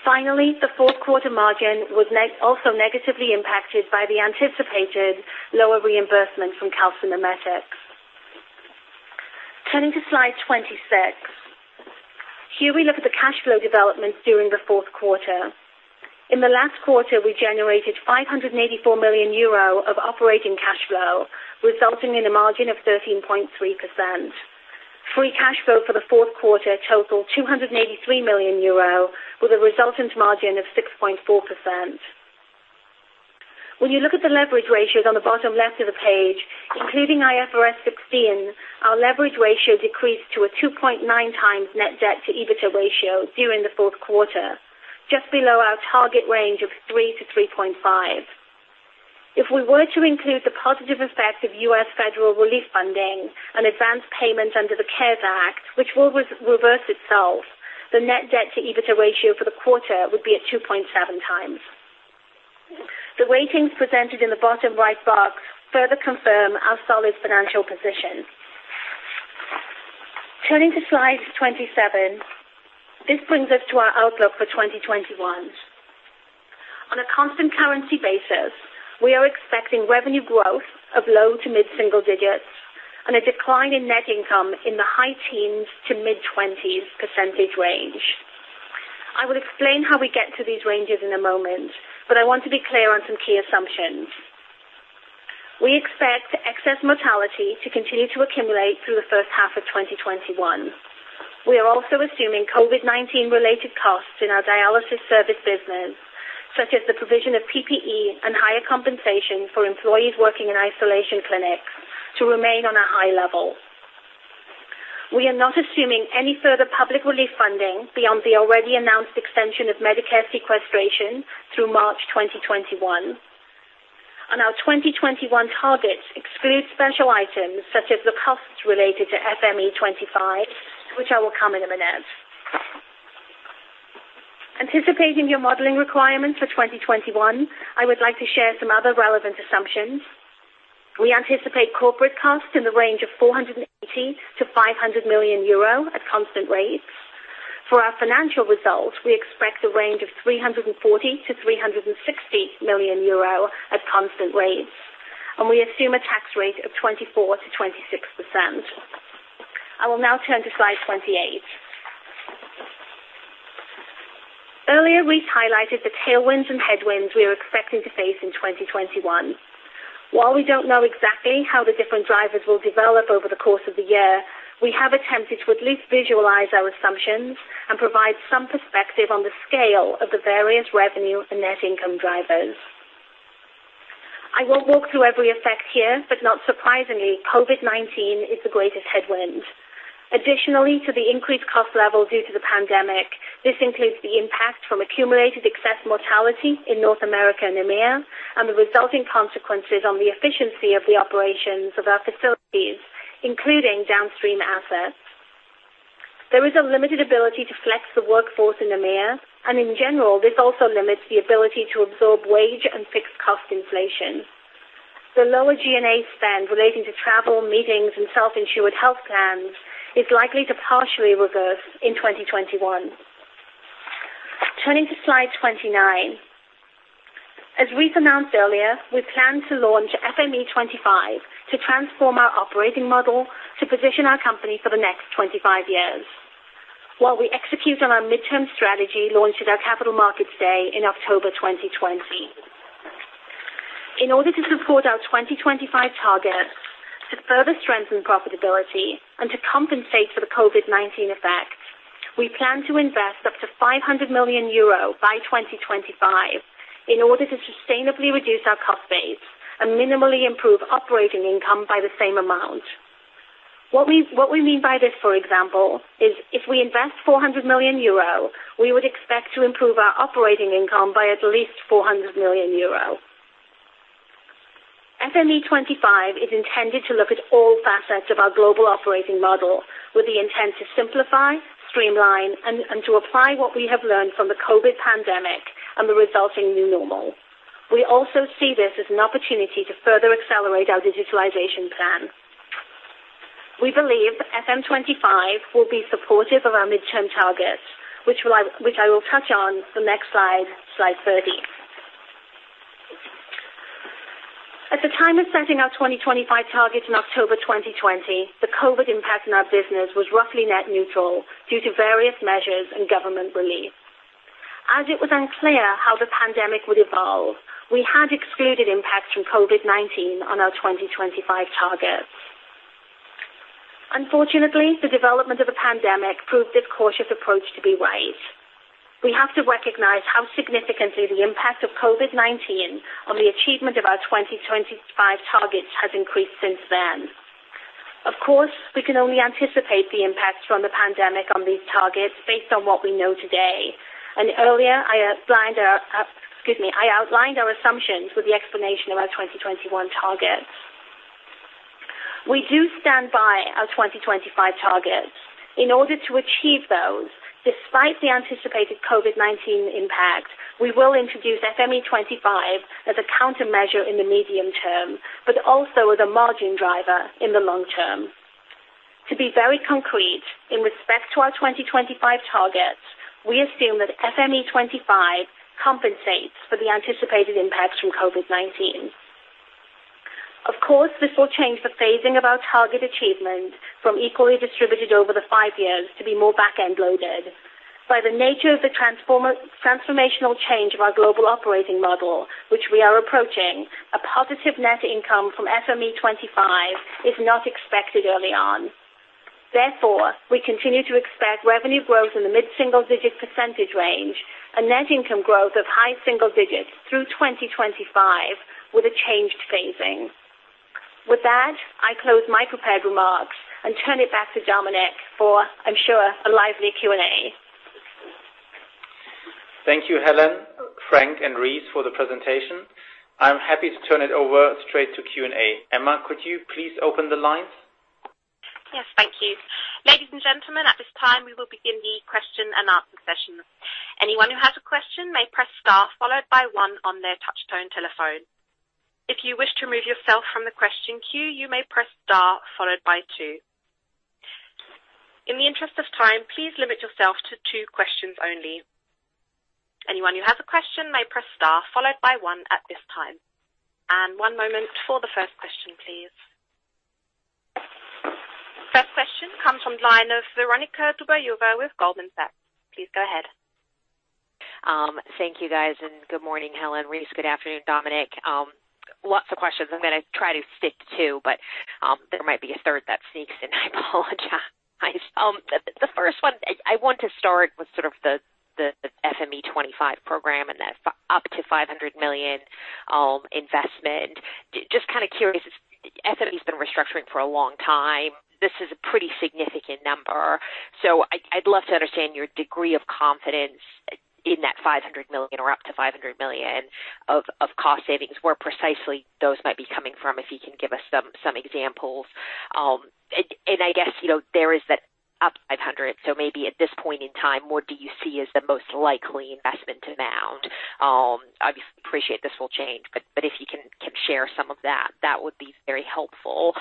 Finally, the fourth quarter margin was also negatively impacted by the anticipated lower reimbursement from calcimimetics. Turning to slide 26. Here we look at the cash flow development during the fourth quarter. In the last quarter, we generated 584 million euro of operating cash flow, resulting in a margin of 13.3%. Free cash flow for the fourth quarter totaled 283 million euro, with a resultant margin of 6.4%. When you look at the leverage ratios on the bottom left of the page, including IFRS 16, our leverage ratio decreased to a 2.9 times net debt to EBITDA ratio during the fourth quarter, just below our target range of 3-3.5. If we were to include the positive effect of U.S. federal relief funding and advanced payments under the CARES Act, which will reverse itself, the net debt to EBITDA ratio for the quarter would be at 2.7 times. The weightings presented in the bottom right box further confirm our solid financial position. Turning to slide 27. This brings us to our outlook for 2021. On a constant currency basis, we are expecting revenue growth of low to mid-single digits and a decline in net income in the high teens to mid-20s % range. I will explain how we get to these ranges in a moment, but I want to be clear on some key assumptions. We expect excess mortality to continue to accumulate through the first half of 2021. We are also assuming COVID-19 related costs in our dialysis service business, such as the provision of PPE and higher compensation for employees working in isolation clinics, to remain on a high level. We are not assuming any further public relief funding beyond the already announced extension of Medicare sequestration through March 2021. Our 2021 targets exclude special items such as the costs related to FME25, which I will come in a minute. Anticipating your modeling requirements for 2021, I would like to share some other relevant assumptions. We anticipate corporate costs in the range of €480 million-€500 million at constant rates. For our financial results, we expect a range of 340 million-360 million euro at constant rates, and we assume a tax rate of 24%-26%. I will now turn to slide 28. Earlier, we highlighted the tailwinds and headwinds we are expecting to face in 2021. While we don't know exactly how the different drivers will develop over the course of the year, we have attempted to at least visualize our assumptions and provide some perspective on the scale of the various revenue and net income drivers. I won't walk through every effect here, but not surprisingly, COVID-19 is the greatest headwind. Additionally, to the increased cost level due to the pandemic, this includes the impact from accumulated excess mortality in North America and EMEA and the resulting consequences on the efficiency of the operations of our facilities, including downstream assets. There is a limited ability to flex the workforce in EMEA, and in general, this also limits the ability to absorb wage and fixed cost inflation. The lower G&A spend relating to travel, meetings, and self-insured health plans is likely to partially reverse in 2021. Turning to slide 29. As Rice announced earlier, we plan to launch FME25 to transform our operating model to position our company for the next 25 years, while we execute on our midterm strategy launched at our capital markets day in October 2020. In order to support our 2025 targets, to further strengthen profitability, and to compensate for the COVID-19 effect, we plan to invest up to 500 million euro by 2025 in order to sustainably reduce our cost base and minimally improve operating income by the same amount. What we mean by this, for example, is if we invest 400 million euro, we would expect to improve our operating income by at least 400 million euro. FME25 is intended to look at all facets of our global operating model with the intent to simplify, streamline, and to apply what we have learned from the COVID pandemic and the resulting new normal. We also see this as an opportunity to further accelerate our digitalization plan. We believe FME25 will be supportive of our midterm targets, which I will touch on the next slide 30. At the time of setting our 2025 targets in October 2020, the COVID impact on our business was roughly net neutral due to various measures and government relief. As it was unclear how the pandemic would evolve, we had excluded impacts from COVID-19 on our 2025 targets. Unfortunately, the development of the pandemic proved this cautious approach to be right. We have to recognize how significantly the impact of COVID-19 on the achievement of our 2025 targets has increased since then. Of course, we can only anticipate the impacts from the pandemic on these targets based on what we know today. Earlier I outlined our assumptions with the explanation of our 2021 targets. We do stand by our 2025 targets. In order to achieve those, despite the anticipated COVID-19 impact, we will introduce FME25 as a countermeasure in the medium term, but also as a margin driver in the long term. To be very concrete, in respect to our 2025 targets, we assume that FME25 compensates for the anticipated impacts from COVID-19. Of course, this will change the phasing of our target achievement from equally distributed over the five years to be more back-end loaded. By the nature of the transformational change of our global operating model, which we are approaching, a positive net income from FME25 is not expected early on. Therefore, we continue to expect revenue growth in the mid-single digit percentage range and net income growth of high single digits through 2025 with a changed phasing. With that, I close my prepared remarks and turn it back to Dominik for, I'm sure, a lively Q&A. Thank you, Helen, Frank, and Rice for the presentation. I'm happy to turn it over straight to Q&A. Emma, could you please open the lines? Yes, thank you. Ladies and gentlemen, at this time, we will begin the question and answer session. Anyone who has a question may press star followed by one on their touch-tone telephone. If you wish to remove yourself from the question queue, you may press star followed by two. In the interest of time, please limit yourself to two questions only. Anyone who has a question may press star followed by one at this time. One moment for the first question, please. First question comes from the line of Veronika Dubajova with Goldman Sachs. Please go ahead. Thank you, guys, good morning, Helen. Rice, good afternoon. Dominik. Lots of questions. I'm going to try to stick to two, but there might be a third that sneaks in. I apologize. The first one, I want to start with sort of the FME25 program and that up to 500 million investment. Just kind of curious, FME's been restructuring for a long time. I'd love to understand your degree of confidence in that 500 million or up to 500 million of cost savings, where precisely those might be coming from, if you can give us some examples. I guess there is that up 500. Maybe at this point in time, what do you see as the most likely investment amount? Obviously appreciate this will change, but if you can share some of that. That would be very helpful.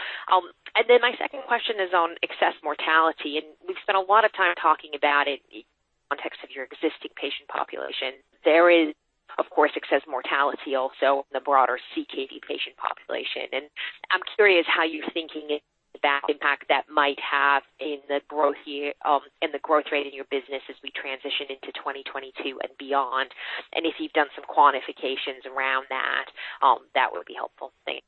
My second question is on excess mortality. We've spent a lot of time talking about it in the context of your existing patient population. There is, of course, excess mortality also in the broader CKD patient population. I'm curious how you're thinking about the impact that might have in the growth rate of your business as we transition into 2022 and beyond. If you've done some quantifications around that would be helpful. Thanks.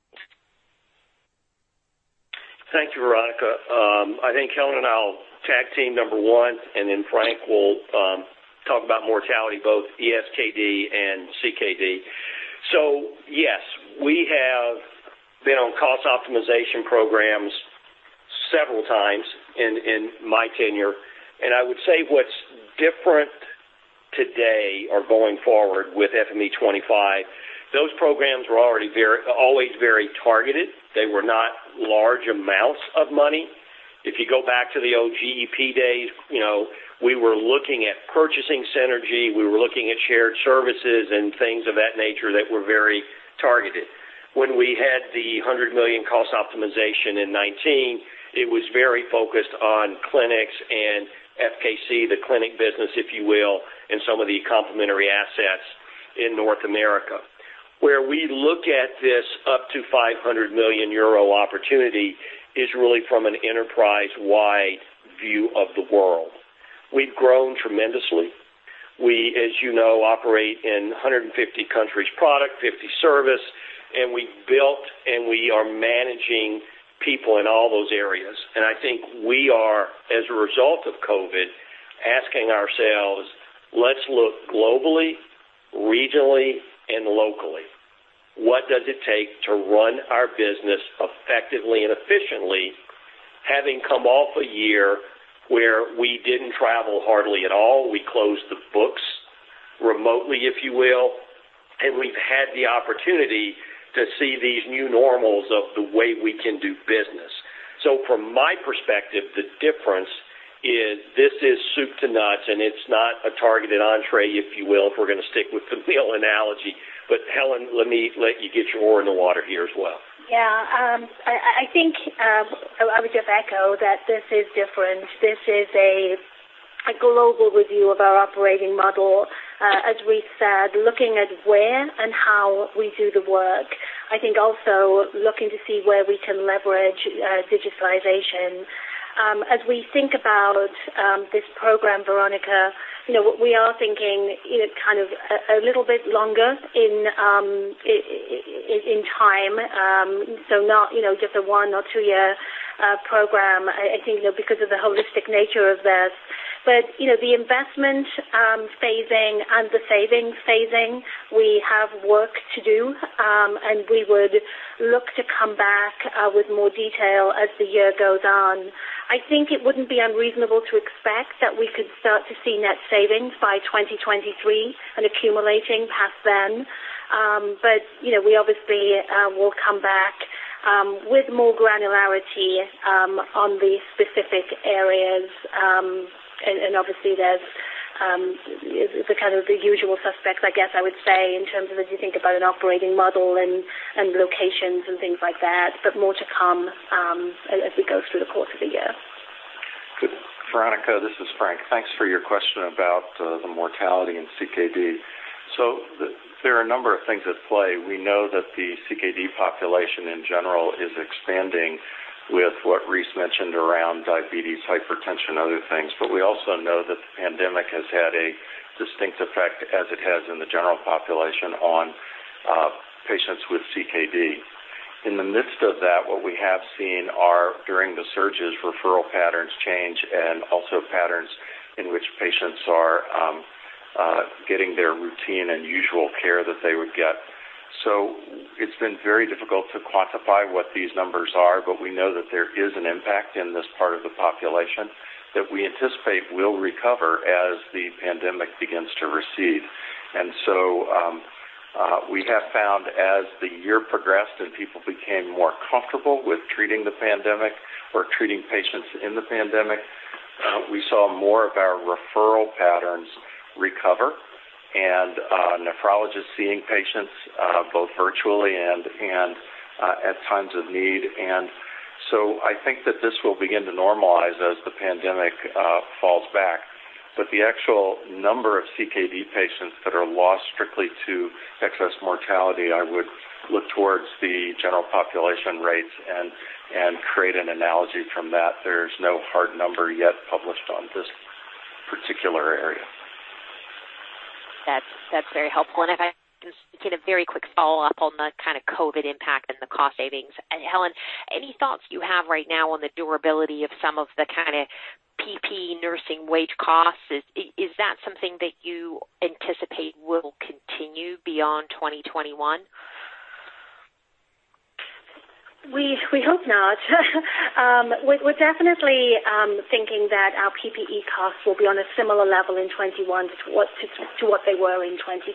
Thank you, Veronika. I think Helen and I will tag team, number one, and then Frank will talk about mortality, both ESKD and CKD. Yes, we have been on cost optimization programs several times in my tenure, and I would say what's different today or going forward with FME25, those programs were always very targeted. They were not large amounts of money. If you go back to the old GEP days, we were looking at purchasing synergy, we were looking at shared services and things of that nature that were very targeted. When we had the 100 million cost optimization in 2019, it was very focused on clinics and FKC, the clinic business, if you will, and some of the complementary assets in North America. Where we look at this up to 500 million euro opportunity is really from an enterprise-wide view of the world. We've grown tremendously. We, as you know, operate in 150 countries product, 50 service, we built and we are managing people in all those areas. I think we are, as a result of COVID, asking ourselves, "Let's look globally, regionally, and locally." What does it take to run our business effectively and efficiently, having come off a year where we didn't travel hardly at all, we closed the books remotely, if you will, and we've had the opportunity to see these new normals of the way we can do business. From my perspective, the difference is this is soup to nuts, and it's not a targeted entrée, if you will, if we're going to stick with the meal analogy. Helen, let me let you get your oar in the water here as well. I think I would just echo that this is different. This is a global review of our operating model, as we said, looking at where and how we do the work. I think also looking to see where we can leverage digitalization. As we think about this program, Veronika, we are thinking a little bit longer in time. Not just a one or two-year program, I think because of the holistic nature of this. The investment phasing and the savings phasing, we have work to do, and we would look to come back with more detail as the year goes on. I think it wouldn't be unreasonable to expect that we could start to see net savings by 2023 and accumulating past then. We obviously will come back with more granularity on the specific areas. Obviously, there's the usual suspects, I guess I would say, in terms of as you think about an operating model and locations and things like that, but more to come as we go through the course of the year. Veronika, this is Frank. Thanks for your question about the mortality in CKD. There are a number of things at play. We know that the CKD population in general is expanding with what Rice mentioned around diabetes, hypertension, other things. We also know that the pandemic has had a distinct effect, as it has in the general population, on patients with CKD. In the midst of that, what we have seen are, during the surges, referral patterns change and also patterns in which patients are getting their routine and usual care that they would get. It's been very difficult to quantify what these numbers are, but we know that there is an impact in this part of the population that we anticipate will recover as the pandemic begins to recede. We have found as the year progressed and people became more comfortable with treating the pandemic or treating patients in the pandemic, we saw more of our referral patterns recover and nephrologists seeing patients both virtually and at times of need. I think that this will begin to normalize as the pandemic falls back. The actual number of CKD patients that are lost strictly to excess mortality, I would look towards the general population rates and create an analogy from that. There's no hard number yet published on this particular area. That's very helpful. If I can just get a very quick follow-up on the kind of COVID impact and the cost savings. Helen, any thoughts you have right now on the durability of some of the PPE nursing wage costs? Is that something that you anticipate will continue beyond 2021? We hope not. We're definitely thinking that our PPE costs will be on a similar level in 2021 to what they were in 2020.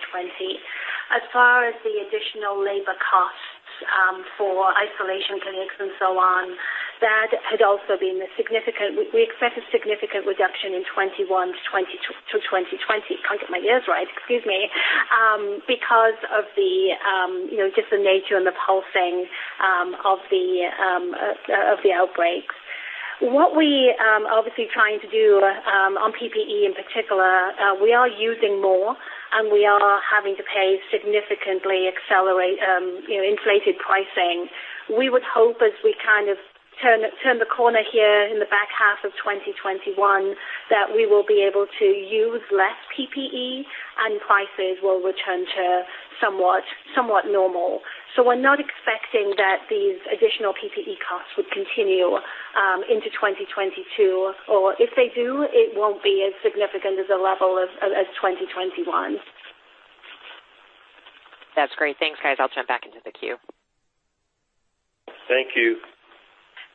As far as the additional labor costs for isolation clinics and so on, we expect a significant reduction in 2021 to 2020. Can't get my years right. Excuse me. Because of just the nature and the pulsing of the outbreaks. What we obviously trying to do on PPE in particular, we are using more, and we are having to pay significantly inflated pricing. We would hope as we turn the corner here in the back half of 2021, that we will be able to use less PPE and prices will return to somewhat normal. We're not expecting that these additional PPE costs would continue into 2022, or if they do, it won't be as significant as the level of 2021. That's great. Thanks, guys. I'll jump back into the queue. Thank you.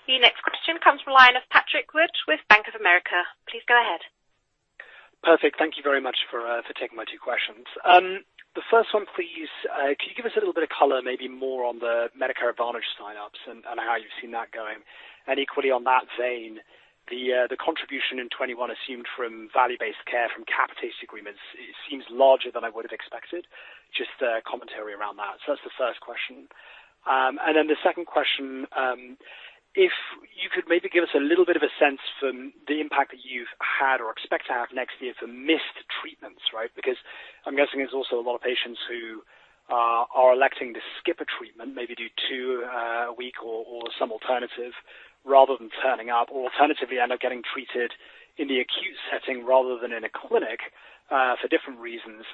The next question comes from the line of Patrick Wood with Bank of America. Please go ahead. Perfect. Thank you very much for taking my two questions. The first one, please, could you give us a little bit of color, maybe more on the Medicare Advantage sign-ups and how you've seen that going? Equally on that vein, the contribution in 2021 assumed from value-based care from capitation agreements, it seems larger than I would've expected. Just a commentary around that. That's the first question. Then the second question, if you could maybe give us a little bit of a sense from the impact that you've had or expect to have next year for missed treatments, right? I'm guessing there's also a lot of patients who are electing to skip a treatment, maybe do two a week or some alternative rather than turning up or alternatively end up getting treated in the acute setting rather than in a clinic, for different reasons.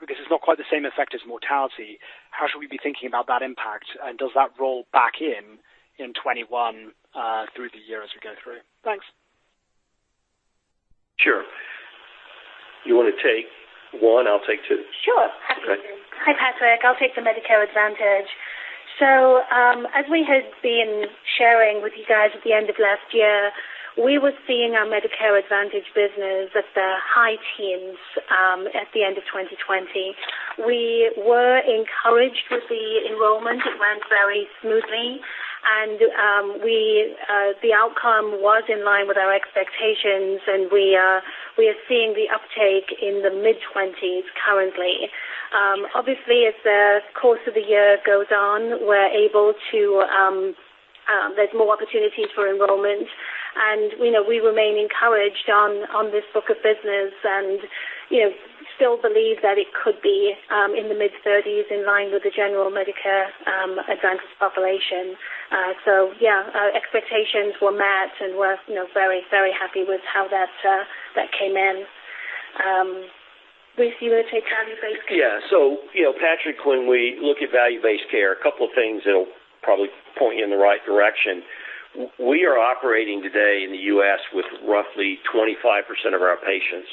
Because it's not quite the same effect as mortality, how should we be thinking about that impact? Does that roll back in in 2021, through the year as we go through? Thanks. Sure. You want to take one? I'll take two. Sure. Okay. Hi, Patrick. I'll take the Medicare Advantage. As we had been sharing with you guys at the end of last year, we were seeing our Medicare Advantage business at the high teens at the end of 2020. We were encouraged with the enrollment. It went very smoothly. The outcome was in line with our expectations, and we are seeing the uptake in the mid-20s currently. Obviously, as the course of the year goes on, there's more opportunities for enrollment. We remain encouraged on this book of business and still believe that it could be in the mid-30s in line with the general Medicare Advantage population. Yeah, our expectations were met and we're very, very happy with how that came in. Rice, you want to take value-based care? Yeah. Patrick, when we look at value-based care, a couple of things that'll probably point you in the right direction. We are operating today in the U.S. with roughly 25% of our patients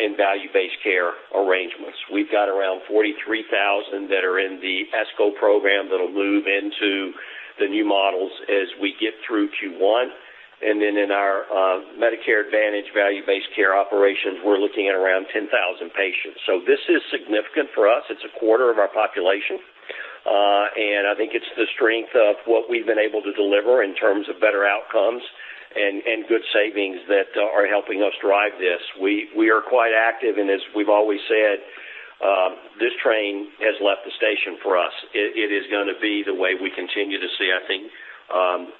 in value-based care arrangements. We've got around 43,000 that are in the ESCO program that'll move into the new models as we get through Q1. In our Medicare Advantage value-based care operations, we're looking at around 10,000 patients. This is significant for us. It's a quarter of our population. I think it's the strength of what we've been able to deliver in terms of better outcomes and good savings that are helping us drive this. We are quite active, and as we've always said, this train has left the station for us. It is going to be the way we continue to see, I think,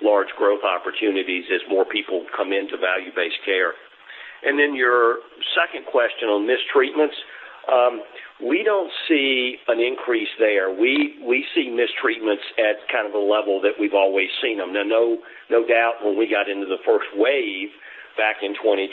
large growth opportunities as more people come into value-based care. Your second question on missed treatments. We don't see an increase there. We see missed treatments at kind of the level that we've always seen them. No doubt when we got into the first wave back in 2020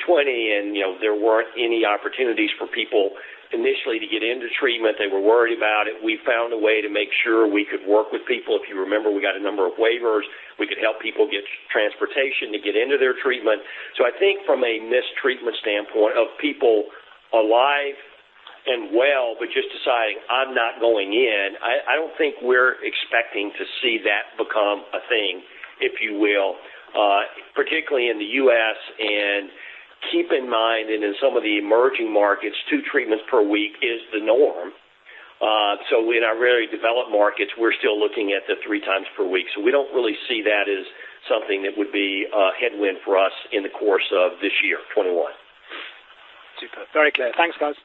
and there weren't any opportunities for people initially to get into treatment. They were worried about it. We found a way to make sure we could work with people. If you remember, we got a number of waivers. We could help people get transportation to get into their treatment. I think from a missed treatment standpoint of people alive and well, but just deciding, "I'm not going in," I don't think we're expecting to see that become a thing, if you will, particularly in the U.S. Keep in mind that in some of the emerging markets, two treatments per week is the norm. In our very developed markets, we're still looking at the three times per week. We don't really see that as something that would be a headwind for us in the course of this year, 2021. Super. Very clear. Thanks, guys.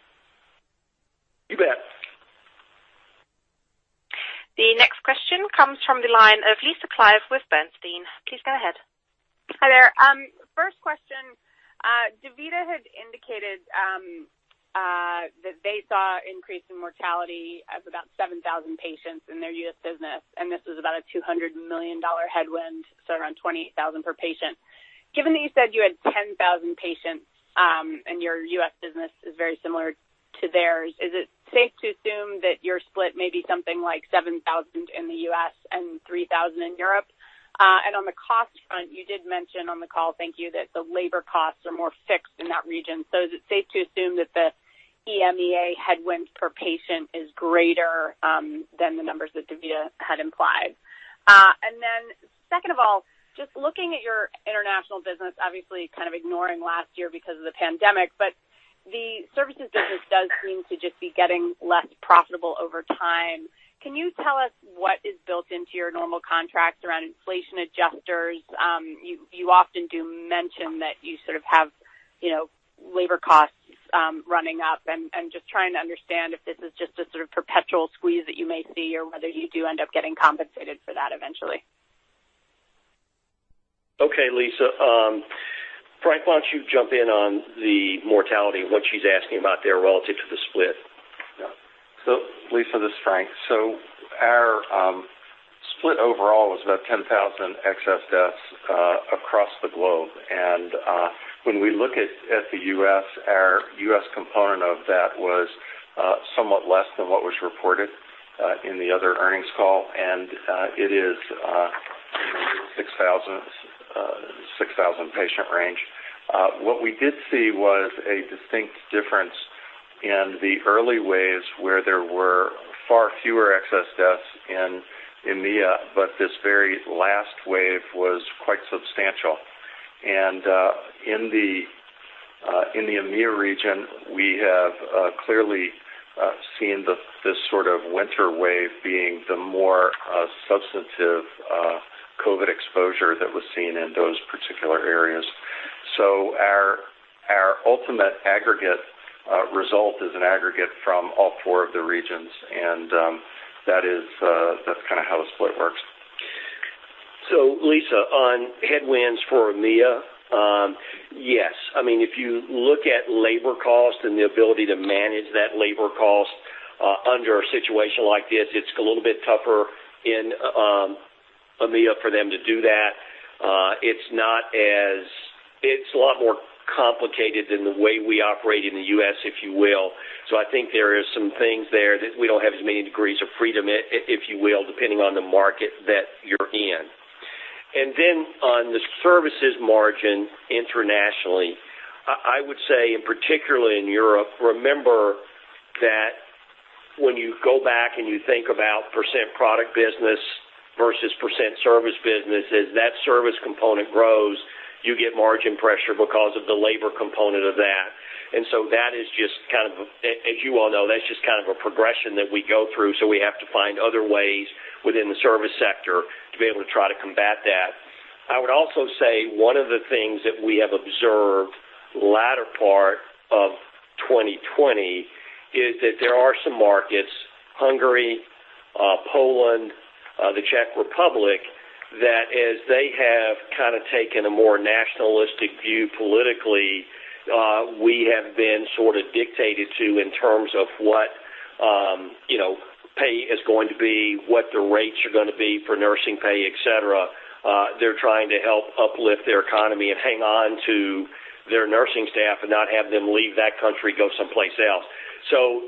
You bet. The next question comes from the line of Lisa Clive with Bernstein. Please go ahead. Hi there. First question, DaVita had indicated that they saw increase in mortality of about 7,000 patients in their U.S. business, and this was about a $200 million headwind, so around $28,000 per patient. Given that you said you had 10,000 patients, and your U.S. business is very similar to theirs, is it safe to assume that your split may be something like 7,000 in the U.S. and 3,000 in Europe? On the cost front, you did mention on the call, thank you, that the labor costs are more fixed in that region. Is it safe to assume that the EMEA headwind per patient is greater than the numbers that DaVita had implied? Second of all, just looking at your international business, obviously kind of ignoring last year because of the pandemic, but the services business does seem to just be getting less profitable over time. Can you tell us what is built into your normal contracts around inflation adjusters? You often do mention that you sort of labor costs running up and just trying to understand if this is just a sort of perpetual squeeze that you may see or whether you do end up getting compensated for that eventually? Okay, Lisa. Frank, why don't you jump in on the mortality and what she's asking about there relative to the split? Lisa, this is Frank. Our split overall was about 10,000 excess deaths across the globe. When we look at the U.S., our U.S. component of that was somewhat less than what was reported in the other earnings call, and it is in the 6,000 patient range. What we did see was a distinct difference in the early waves where there were far fewer excess deaths in EMEA, but this very last wave was quite substantial. In the EMEA region, we have clearly seen this sort of winter wave being the more substantive COVID exposure that was seen in those particular areas. Our ultimate aggregate result is an aggregate from all four of the regions, and that's kind of how the split works. Lisa Clive, on headwinds for EMEA, yes. If you look at labor cost and the ability to manage that labor cost under a situation like this, it's a little bit tougher in EMEA for them to do that. It's a lot more complicated than the way we operate in the U.S., if you will. I think there is some things there that we don't have as many degrees of freedom, if you will, depending on the market that you're in. On the services margin internationally, I would say, and particularly in Europe, remember that when you go back and you think about % product business versus % service business, as that service component grows, you get margin pressure because of the labor component of that. As you all know, that's just kind of a progression that we go through, so we have to find other ways within the service sector to be able to try to combat that. I would also say one of the things that we have observed latter part of 2020 is that there are some markets, Hungary, Poland, the Czech Republic, that as they have kind of taken a more nationalistic view politically, we have been sort of dictated to in terms of what pay is going to be, what the rates are going to be for nursing pay, et cetera. They're trying to help uplift their economy and hang on to their nursing staff and not have them leave that country, go someplace else.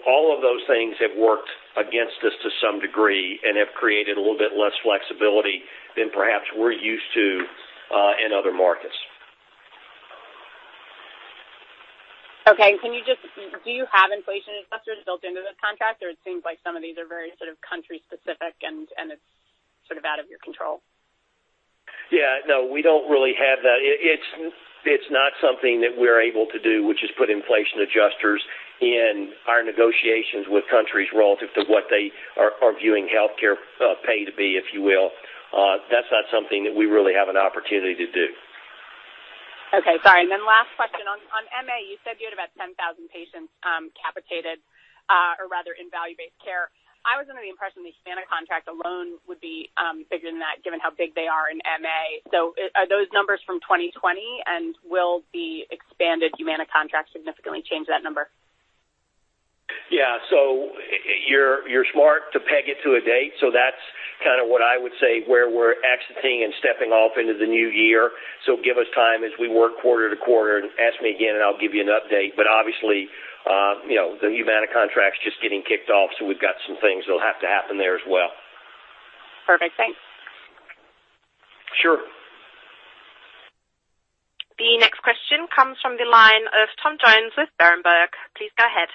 All of those things have worked against us to some degree and have created a little bit less flexibility than perhaps we're used to in other markets. Okay. Do you have inflation adjusters built into this contract, or it seems like some of these are very sort of country specific, and it's sort of out of your control? No, we don't really have that. It's not something that we're able to do, which is put inflation adjusters in our negotiations with countries relative to what they are viewing healthcare pay to be, if you will. That's not something that we really have an opportunity to do. Okay. Sorry. Last question. On MA, you said you had about 10,000 patients capitated, or rather in value-based care. I was under the impression the Humana contract alone would be bigger than that, given how big they are in MA. Are those numbers from 2020, and will the expanded Humana contract significantly change that number? Yeah. You're smart to peg it to a date. That's kind of what I would say, where we're exiting and stepping off into the new year. Give us time as we work quarter to quarter and ask me again, and I'll give you an update. Obviously, the Humana contract's just getting kicked off, so we've got some things that'll have to happen there as well. Perfect. Thanks. Sure. The next question comes from the line of Tom Jones with Berenberg. Please go ahead.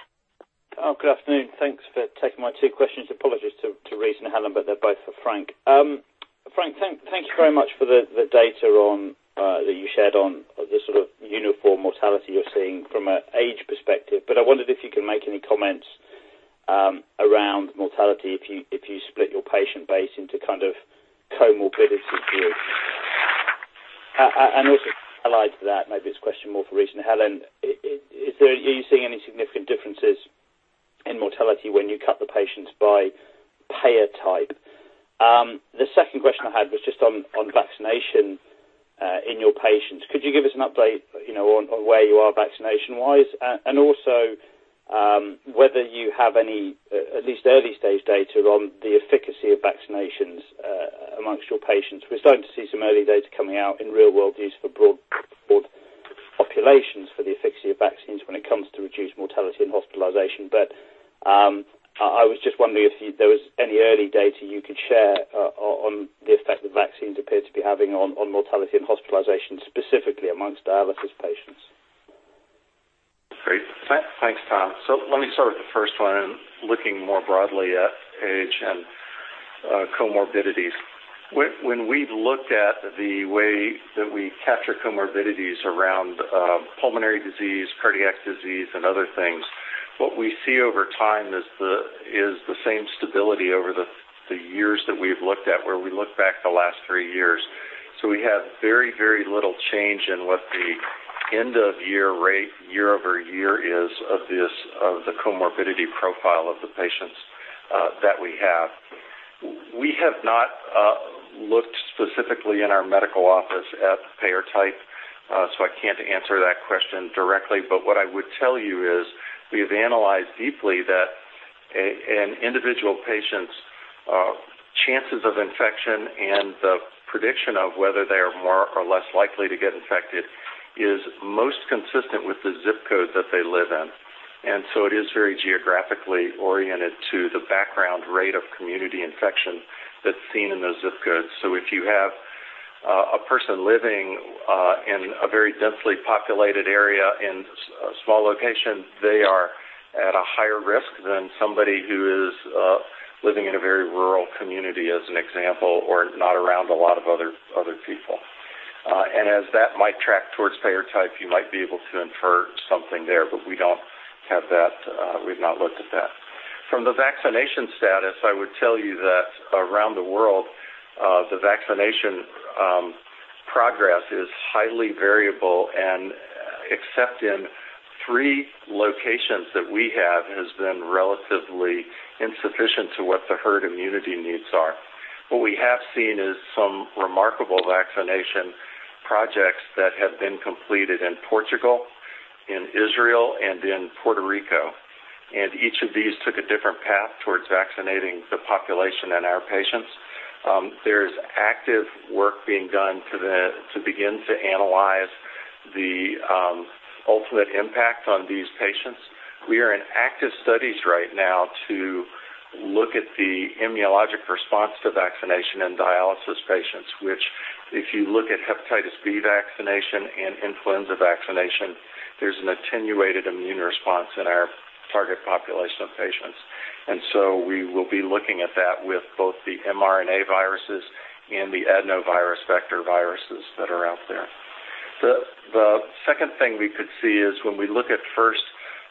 Good afternoon. Thanks for taking my two questions. Apologies to Rice and Helen, but they're both for Frank. Frank, thank you very much for the data that you shared on the sort of uniform mortality you're seeing from an age perspective. I wondered if you could make any comments around mortality if you split your patient base into kind of comorbidity groups. Also allied to that, maybe this question more for Rice and Helen, are you seeing any significant differences in mortality when you cut the patients by payer type? The second question I had was just on vaccination in your patients. Could you give us an update on where you are vaccination-wise, and also whether you have any, at least early-stage data on the efficacy of vaccinations amongst your patients. We're starting to see some early data coming out in real-world use for broad populations for the efficacy of vaccines when it comes to reduced mortality and hospitalization. I was just wondering if there was any early data you could share on the effect that vaccines appear to be having on mortality and hospitalization, specifically amongst dialysis patients? Great. Thanks, Tom. Let me start with the first one, looking more broadly at age and comorbidities. When we've looked at the way that we capture comorbidities around pulmonary disease, cardiac disease, and other things. What we see over time is the same stability over the years that we've looked at, where we look back the last three years. We have very little change in what the end of year rate year-over-year is of the comorbidity profile of the patients that we have. We have not looked specifically in our medical office at payer type. I can't answer that question directly. What I would tell you is we have analyzed deeply that an individual patient's chances of infection and the prediction of whether they are more or less likely to get infected is most consistent with the ZIP code that they live in. It is very geographically oriented to the background rate of community infection that's seen in those ZIP codes. If you have a person living in a very densely populated area in a small location, they are at a higher risk than somebody who is living in a very rural community, as an example, or not around a lot of other people. As that might track towards payer type, you might be able to infer something there, but we've not looked at that. From the vaccination status, I would tell you that around the world, the vaccination progress is highly variable and except in three locations that we have, has been relatively insufficient to what the herd immunity needs are. What we have seen is some remarkable vaccination projects that have been completed in Portugal, in Israel, and in Puerto Rico. Each of these took a different path towards vaccinating the population and our patients. There's active work being done to begin to analyze the ultimate impact on these patients. We are in active studies right now to look at the immunologic response to vaccination in dialysis patients, which, if you look at hepatitis B vaccination and influenza vaccination, there's an attenuated immune response in our target population of patients. We will be looking at that with both the mRNA viruses and the adenovirus vector viruses that are out there. The second thing we could see is when we look at first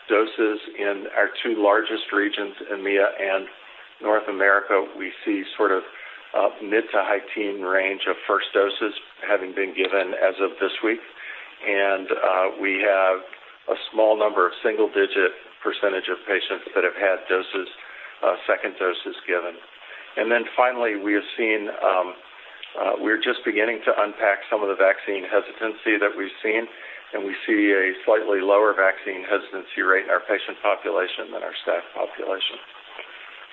doses in our two largest regions, EMEA and North America, we see sort of mid to high teen range of first doses having been given as of this week. We have a small number of single-digit percentage of patients that have had second doses given. Finally, we're just beginning to unpack some of the vaccine hesitancy that we've seen, and we see a slightly lower vaccine hesitancy rate in our patient population than our staff population.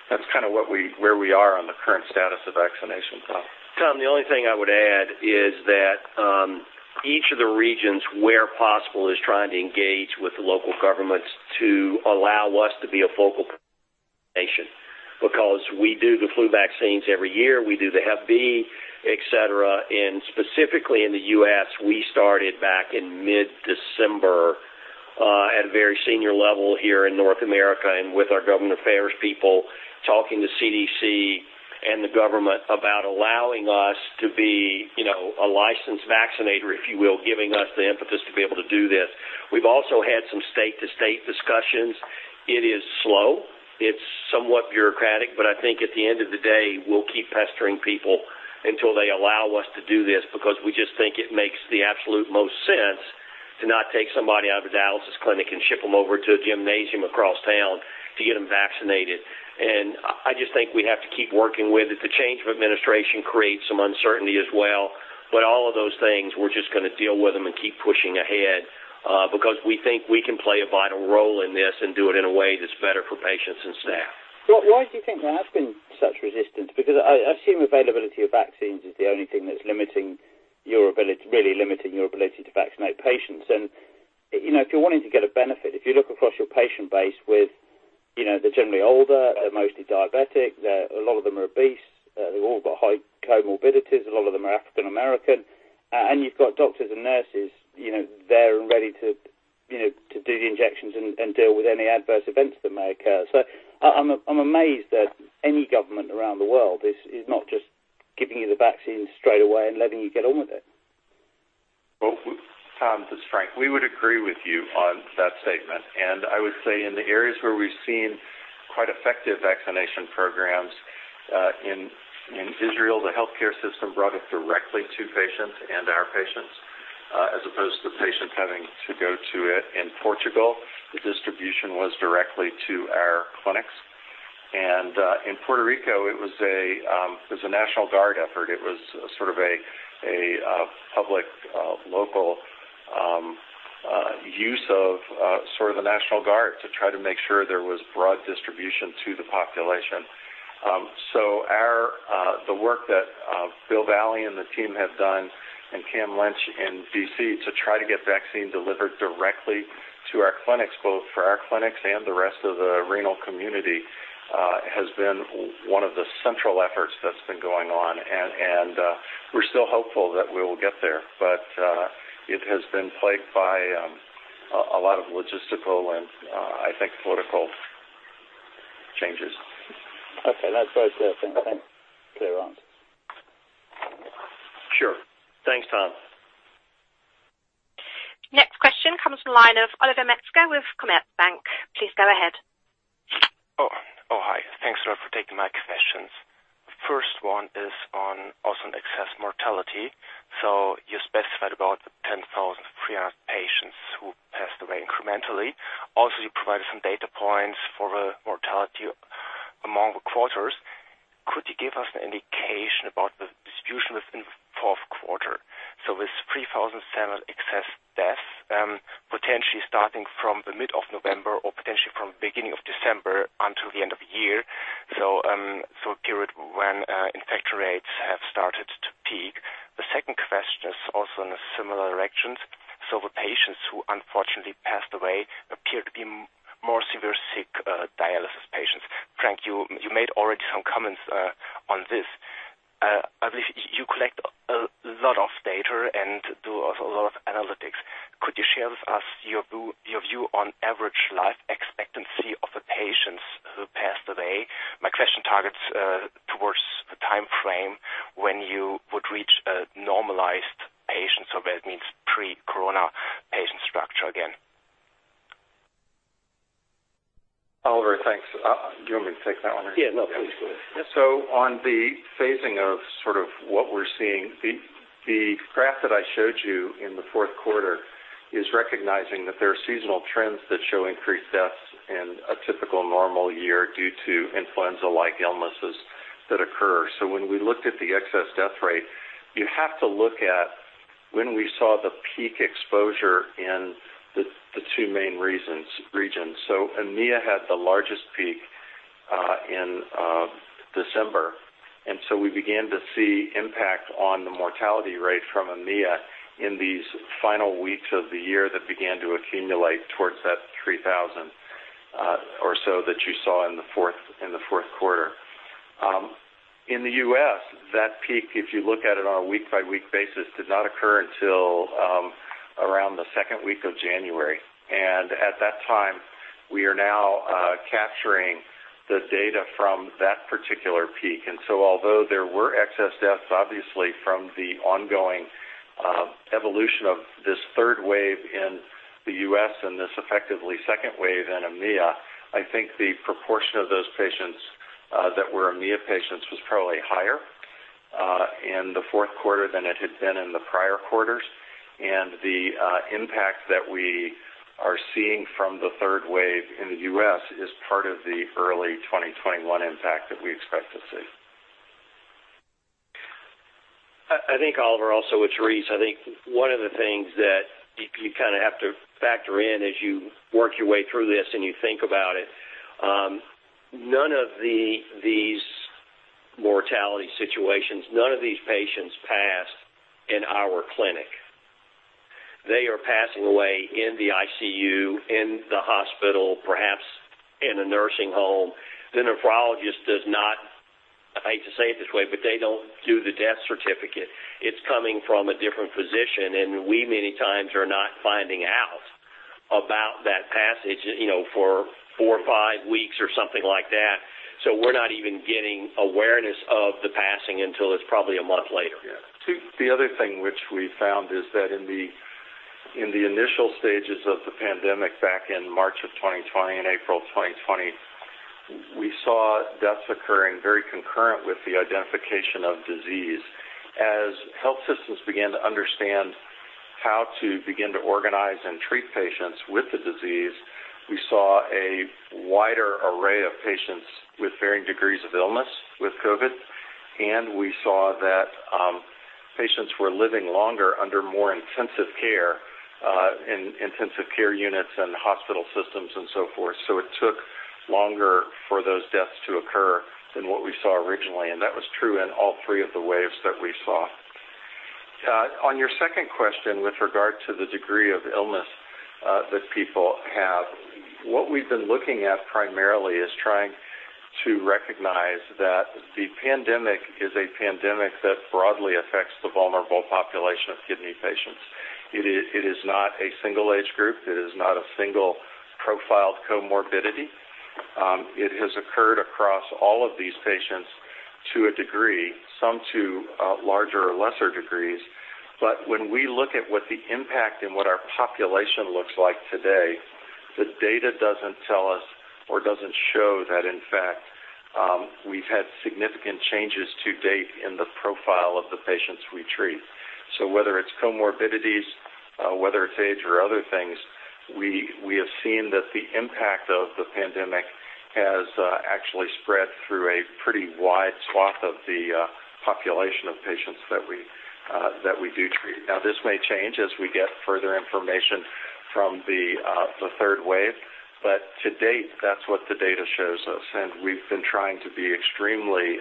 That's kind of where we are on the current status of vaccination, Tom. Tom, the only thing I would add is that each of the regions, where possible, is trying to engage with the local governments to allow us to be a focal nation. Because we do the flu vaccines every year, we do the Hep B, et cetera, and specifically in the U.S., we started back in mid-December at a very senior level here in North America, and with our government affairs people talking to CDC and the government about allowing us to be a licensed vaccinator, if you will, giving us the impetus to be able to do this. We've also had some state-to-state discussions. It is slow, it's somewhat bureaucratic, but I think at the end of the day, we'll keep pestering people until they allow us to do this, because we just think it makes the absolute most sense to not take somebody out of a dialysis clinic and ship them over to a gymnasium across town to get them vaccinated. I just think we have to keep working with it. The change of administration creates some uncertainty as well. All of those things, we're just going to deal with them and keep pushing ahead, because we think we can play a vital role in this and do it in a way that's better for patients and staff. Why do you think there has been such resistance? I assume availability of vaccines is the only thing that's really limiting your ability to vaccinate patients. If you're wanting to get a benefit, if you look across your patient base with they're generally older, they're mostly diabetic, a lot of them are obese, they've all got high comorbidities, a lot of them are African American, and you've got doctors and nurses there and ready to do the injections and deal with any adverse events that may occur. I'm amazed that any government around the world is not just giving you the vaccine straight away and letting you get on with it. Well, Tom, this is Frank. We would agree with you on that statement. I would say in the areas where we've seen quite effective vaccination programs, in Israel, the healthcare system brought it directly to patients and our patients as opposed to the patient having to go to it. In Portugal, the distribution was directly to our clinics. In Puerto Rico, it was a National Guard effort. It was sort of a public local use of sort of the National Guard to try to make sure there was broad distribution to the population. The work that Bill Valle and the team have done and Cameron Lynch in D.C. to try to get vaccine delivered directly to our clinics, both for our clinics and the rest of the renal community has been one of the central efforts that's been going on. We're still hopeful that we will get there. It has been plagued by a lot of logistical and I think political changes. Okay. That's very clear, thanks. Clear round. Thanks, Tom. Next question comes from the line of Oliver Metzger with Commerzbank. Please go ahead. Oh, hi. Thanks a lot for taking my questions. First one is on also on excess mortality. You specified about the 10,300 patients who passed away incrementally. Also, you provided some data points for the mortality among the quarters. Could you give us an indication about the distribution within the fourth quarter? This 3,000 excess deaths, potentially starting from the mid of November or potentially from the beginning of December until the end of year, so a period when infection rates have started to peak. The second question is also in a similar direction. The patients who unfortunately passed away appear to be more severe sick dialysis patients. Frank, you made already some comments on this. You collect a lot of data and do also a lot of analytics. Could you share with us your view on average life expectancy of the patients who passed away? My question targets towards the timeframe when you would reach a normalized patient, so that means pre-corona patient structure again. Oliver, thanks. Do you want me to take that one, or? Yeah, no, please do it. On the phasing of sort of what we're seeing, the graph that I showed you in the fourth quarter is recognizing that there are seasonal trends that show increased deaths in a typical normal year due to influenza-like illnesses that occur. When we looked at the excess death rate, you have to look at when we saw the peak exposure in the two main regions. EMEA had the largest peak in December, and so we began to see impact on the mortality rate from EMEA in these final weeks of the year that began to accumulate towards that 3,000 or so that you saw in the fourth quarter. In the U.S., that peak, if you look at it on a week-by-week basis, did not occur until around the second week of January. At that time, we are now capturing the data from that particular peak. Although there were excess deaths, obviously, from the ongoing evolution of this third wave in the U.S. and this effectively second wave in EMEA, I think the proportion of those patients that were EMEA patients was probably higher in the fourth quarter than it had been in the prior quarters. The impact that we are seeing from the third wave in the U.S. is part of the early 2021 impact that we expect to see. I think Oliver also would agree. I think one of the things that you kind of have to factor in as you work your way through this and you think about it, none of these mortality situations, none of these patients passed in our clinic. They are passing away in the ICU, in the hospital, perhaps in a nursing home. The nephrologist does not, I hate to say it this way, but they don't do the death certificate. It's coming from a different physician, we many times are not finding out about that passage for four or five weeks or something like that. We're not even getting awareness of the passing until it's probably a month later. The other thing which we found is that in the initial stages of the pandemic back in March of 2020 and April of 2020, we saw deaths occurring very concurrent with the identification of disease. As health systems began to understand how to begin to organize and treat patients with the disease, we saw a wider array of patients with varying degrees of illness with COVID, and we saw that patients were living longer under more intensive care in intensive care units and hospital systems and so forth. It took longer for those deaths to occur than what we saw originally, and that was true in all three of the waves that we saw. On your second question with regard to the degree of illness that people have, what we've been looking at primarily is trying to recognize that the pandemic is a pandemic that broadly affects the vulnerable population of kidney patients. It is not a single age group. It is not a single profiled comorbidity. It has occurred across all of these patients to a degree, some to larger or lesser degrees. When we look at what the impact and what our population looks like today, the data doesn't tell us or doesn't show that, in fact, we've had significant changes to date in the profile of the patients we treat. Whether it's comorbidities, whether it's age or other things, we have seen that the impact of the pandemic has actually spread through a pretty wide swath of the population of patients that we do treat. Now, this may change as we get further information from the third wave. To date, that's what the data shows us, and we've been trying to be extremely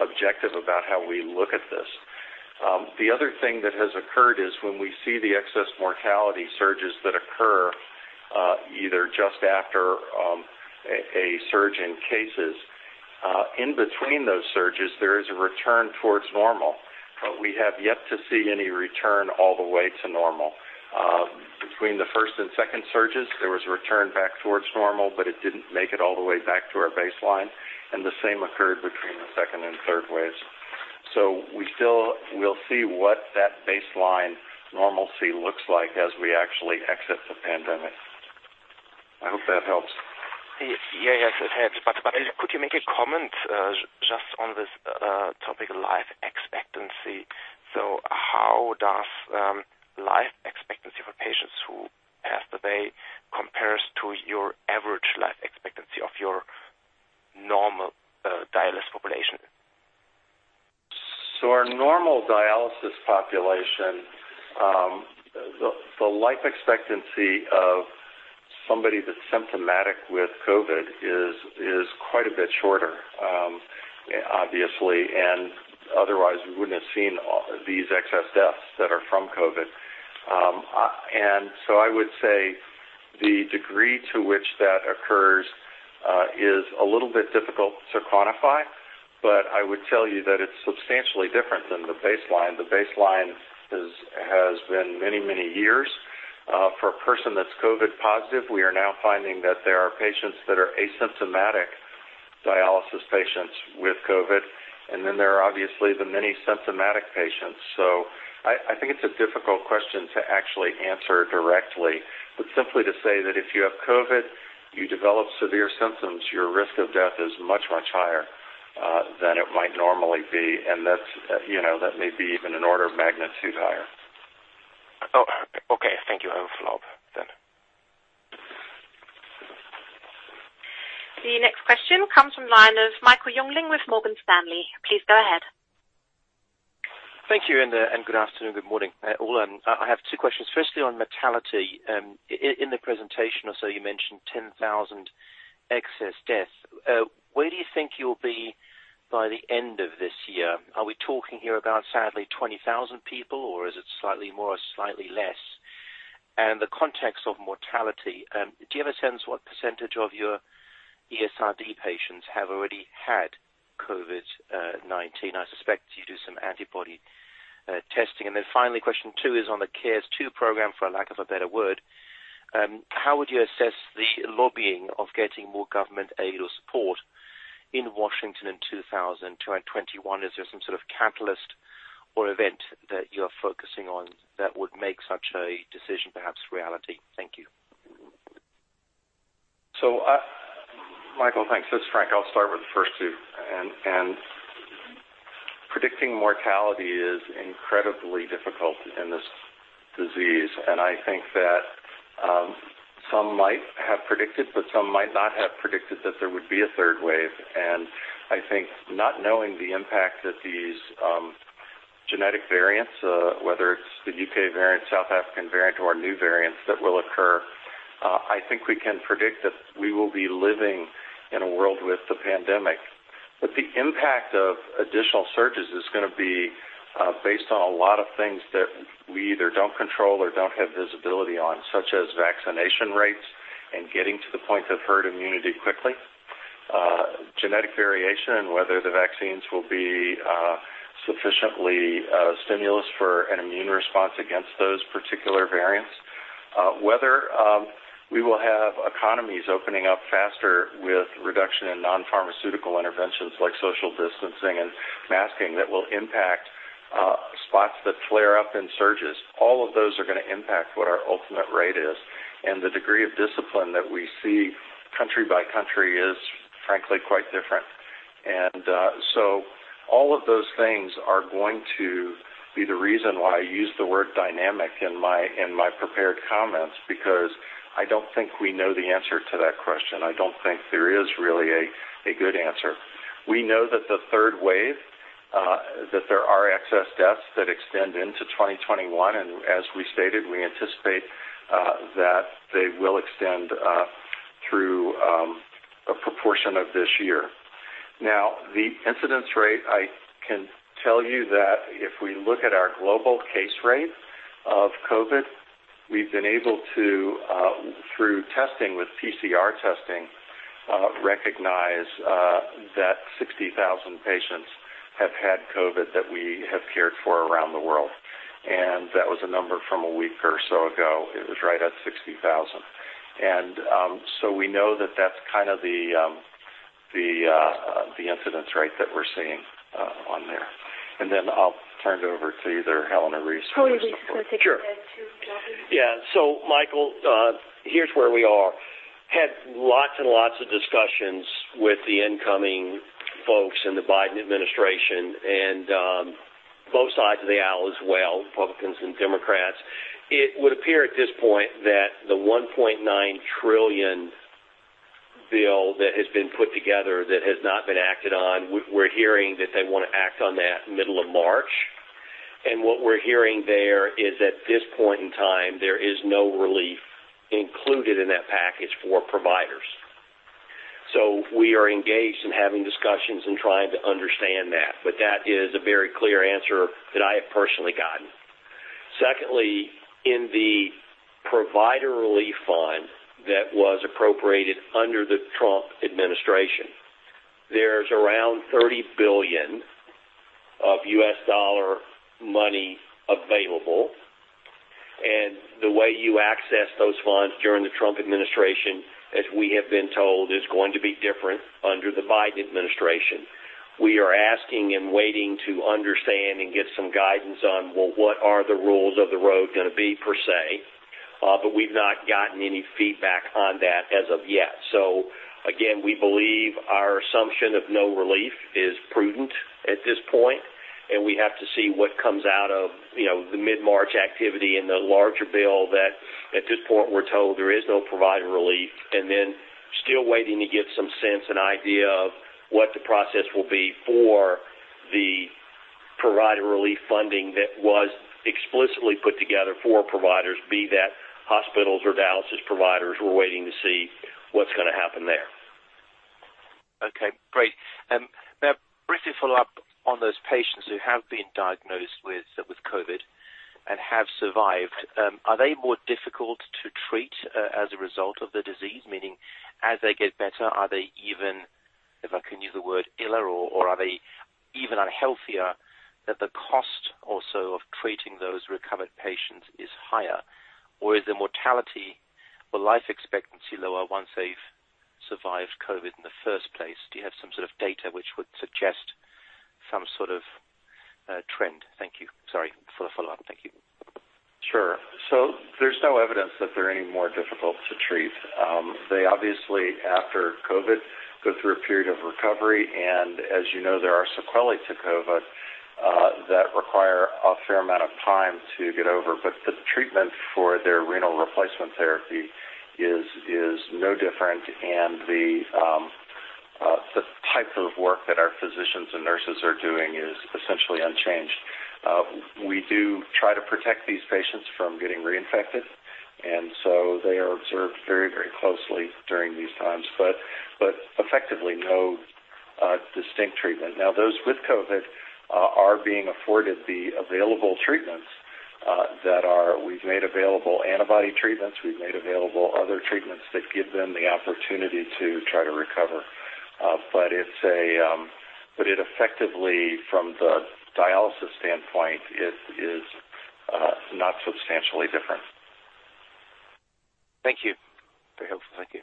objective about how we look at this. The other thing that has occurred is when we see the excess mortality surges that occur either just after a surge in cases, in between those surges, there is a return towards normal, but we have yet to see any return all the way to normal. Between the first and second surges, there was a return back towards normal, but it didn't make it all the way back to our baseline, and the same occurred between the second and third waves. We'll see what that baseline normalcy looks like as we actually exit the pandemic. I hope that helps. Yes, it helps. Could you make a comment just on this topic of life expectancy? How does life expectancy for patients who pass away compare to your average life expectancy of your normal dialysis population? Our normal dialysis population, the life expectancy of somebody that's symptomatic with COVID is quite a bit shorter, obviously, and otherwise, we wouldn't have seen these excess deaths that are from COVID. I would say the degree to which that occurs is a little bit difficult to quantify, but I would tell you that it's substantially different than the baseline. The baseline has been many, many years. For a person that's COVID positive, we are now finding that there are patients that are asymptomatic dialysis patients with COVID, and then there are obviously the many symptomatic patients. I think it's a difficult question to actually answer directly. Simply to say that if you have COVID, you develop severe symptoms, your risk of death is much, much higher than it might normally be, and that may be even an order of magnitude higher. Okay. Thank you. Over for now then. The next question comes from the line of Michael Jüngling with Morgan Stanley. Please go ahead. Thank you. Good afternoon, good morning, all. I have two questions, firstly on mortality. In the presentation or so, you mentioned 10,000 excess deaths. Where do you think you'll be by the end of this year? Are we talking here about sadly 20,000 people, or is it slightly more or slightly less? In the context of mortality, do you have a sense what % of your ESRD patients have already had COVID-19? I suspect you do some antibody testing. Finally, question two is on the CARES 2 program, for lack of a better word. How would you assess the lobbying of getting more government aid or support in Washington in 2021? Is there some sort of catalyst or event that you're focusing on that would make such a decision perhaps reality? Thank you. Michael, thanks. This is Frank. I'll start with the first two. Predicting mortality is incredibly difficult in this disease, and I think that some might have predicted, but some might not have predicted that there would be a third wave. I think not knowing the impact that these genetic variants, whether it's the UK variant, South African variant, or new variants that will occur, I think we can predict that we will be living in a world with the pandemic. The impact of additional surges is going to be based on a lot of things that we either don't control or don't have visibility on, such as vaccination rates and getting to the point of herd immunity quickly. Genetic variation and whether the vaccines will be sufficiently stimulus for an immune response against those particular variants. Whether we will have economies opening up faster with reduction in non-pharmaceutical interventions like social distancing and masking that will impact spots that flare up in surges. All of those are going to impact what our ultimate rate is, and the degree of discipline that we see country by country is, frankly, quite different. All of those things are going to be the reason why I use the word dynamic in my prepared comments, because I don't think we know the answer to that question. I don't think there is really a good answer. We know that the third wave, that there are excess deaths that extend into 2021, and as we stated, we anticipate that they will extend through a proportion of this year. The incidence rate, I can tell you that if we look at our global case rate of COVID, we've been able to, through testing with PCR testing, recognize that 60,000 patients have had COVID that we have cared for around the world. That was a number from a week or so ago. It was right at 60,000. We know that that's kind of the incidence rate that we're seeing on there. I'll turn it over to either Helen or Reece for the support. Probably Rice is going to take that too. Sure. Yeah. Michael, here's where we are. Had lots and lots of discussions with the incoming folks in the Biden administration and both sides of the aisle as well, Republicans and Democrats. It would appear at this point that the $1.9 trillion bill that has been put together that has not been acted on, we're hearing that they want to act on that middle of March. What we're hearing there is at this point in time, there is no relief included in that package for providers. We are engaged and having discussions and trying to understand that. That is a very clear answer that I have personally gotten. Secondly, in the provider relief fund that was appropriated under the Trump administration, there's around $30 billion of U.S. dollar money available. The way you access those funds during the Trump administration, as we have been told, is going to be different under the Biden administration. We are asking and waiting to understand and get some guidance on, what are the rules of the road going to be, per se? We've not gotten any feedback on that as of yet. Again, we believe our assumption of no relief is prudent at this point, and we have to see what comes out of the mid-March activity and the larger bill that, at this point, we're told there is no provider relief, then still waiting to get some sense, an idea of what the process will be for the provider relief funding that was explicitly put together for providers, be that hospitals or dialysis providers. We're waiting to see what's going to happen there. Okay, great. Briefly follow up on those patients who have been diagnosed with COVID and have survived. Are they more difficult to treat as a result of the disease? Meaning, as they get better, are they even, if I can use the word iller, or are they even unhealthier, that the cost also of treating those recovered patients is higher? Is the mortality or life expectancy lower once they've survived COVID in the first place? Do you have some sort of data which would suggest some sort of trend? Thank you. Sorry for the follow-up. Thank you. Sure. There's no evidence that they're any more difficult to treat. They obviously, after COVID, go through a period of recovery, and as you know, there are sequelae to COVID, that require a fair amount of time to get over. The treatment for their renal replacement therapy is no different. The type of work that our physicians and nurses are doing is essentially unchanged. We do try to protect these patients from getting reinfected, and so they are observed very closely during these times, but effectively, no distinct treatment. Now, those with COVID are being afforded the available treatments that we've made available, antibody treatments, we've made available other treatments that give them the opportunity to try to recover. It effectively, from the dialysis standpoint, is not substantially different. Thank you. Very helpful. Thank you.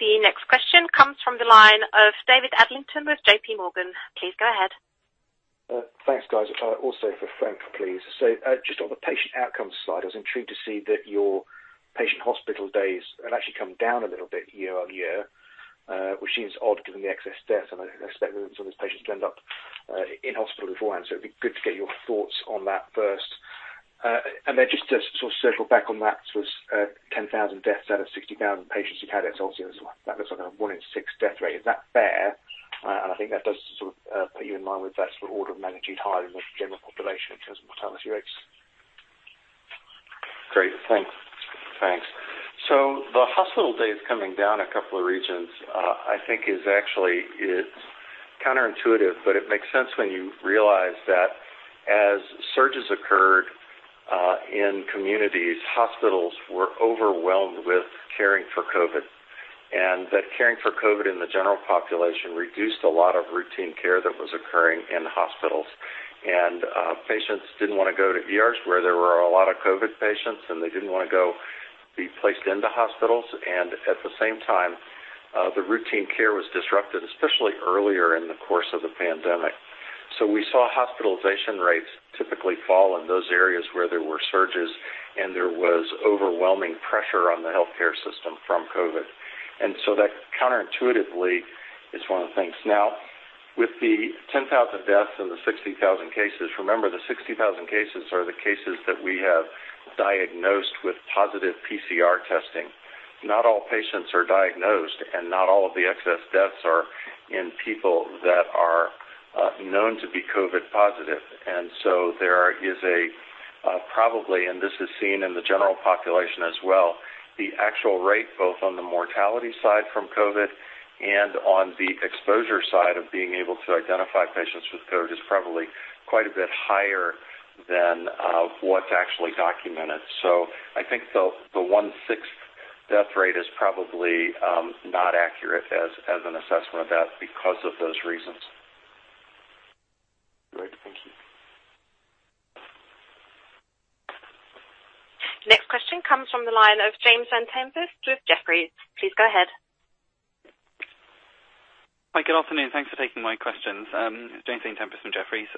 The next question comes from the line of David Adlington with JP Morgan. Please go ahead. Thanks, guys. Also for Frank, please. Just on the patient outcomes slide, I was intrigued to see that your patient hospital days had actually come down a little bit year-over-year, which seems odd given the excess deaths, and I expect some of those patients to end up in hospital beforehand. Just to sort of circle back on that, it's 10,000 deaths out of 60,000 patients who've had it. Obviously that looks like a one in six death rate. Is that fair? I think that does sort of put you in line with that sort of order of magnitude higher than the general population in terms of mortality rates. Great. Thanks. The hospital days coming down a couple of regions, I think is actually counterintuitive, but it makes sense when you realize that as surges occurred, in communities, hospitals were overwhelmed with caring for COVID, and that caring for COVID in the general population reduced a lot of routine care that was occurring in hospitals. Patients didn't want to go to ERs where there were a lot of COVID patients, and they didn't want to go be placed into hospitals. At the same time, the routine care was disrupted, especially earlier in the course of the pandemic. We saw hospitalization rates typically fall in those areas where there were surges and there was overwhelming pressure on the healthcare system from COVID. That counterintuitively is one of the things. With the 10,000 deaths and the 60,000 cases, remember, the 60,000 cases are the cases that we have diagnosed with positive PCR testing. Not all patients are diagnosed, not all of the excess deaths are in people that are known to be COVID positive. There is a, probably, and this is seen in the general population as well, the actual rate, both on the mortality side from COVID and on the exposure side of being able to identify patients with COVID, is probably quite a bit higher than what's actually documented. I think the one-sixth death rate is probably not accurate as an assessment of that because of those reasons. Great. Thank you. Next question comes from the line of James Vane-Tempest with Jefferies. Please go ahead. Hi. Good afternoon. Thanks for taking my questions. James Vane-Tempest from Jefferies.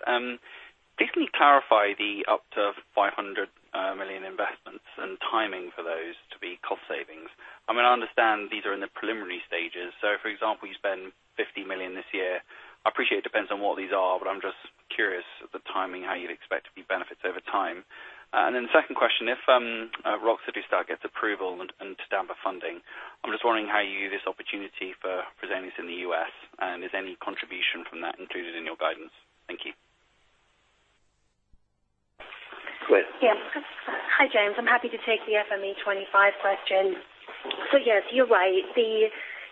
Please can you clarify the up to 500 million investments and timing for those to be cost savings? I mean, I understand these are in the preliminary stages. For example, you spend 50 million this year. I appreciate it depends on what these are, but I'm just curious the timing, how you'd expect the benefits over time. Second question, if roxadustat gets approval and stamp of funding, I'm just wondering how you view this opportunity for presenting this in the U.S. and is any contribution from that included in your guidance? Thank you. Go ahead. Hi, James. I'm happy to take the FME25 question. Yes, you're right.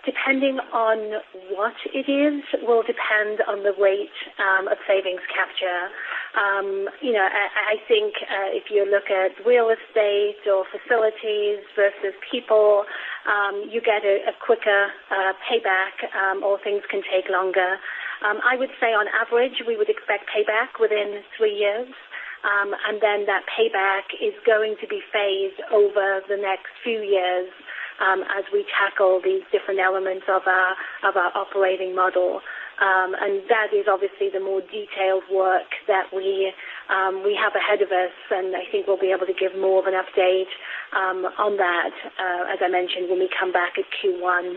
Depending on what it is will depend on the rate of savings capture. I think if you look at real estate or facilities versus people, you get a quicker payback, or things can take longer. I would say on average, we would expect payback within three years. Then that payback is going to be phased over the next few years as we tackle these different elements of our operating model. That is obviously the more detailed work that we have ahead of us, and I think we'll be able to give more of an update on that, as I mentioned, when we come back at Q1.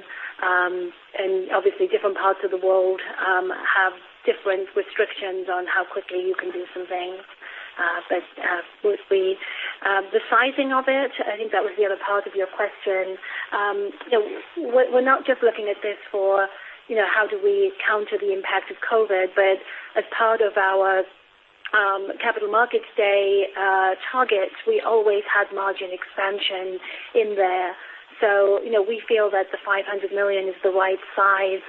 Obviously, different parts of the world have different restrictions on how quickly you can do some things. The sizing of it, I think that was the other part of your question. We're not just looking at this for how do we counter the impact of COVID, but as part of our Capital Markets Day targets, we always had margin expansion in there. We feel that the 500 million is the right size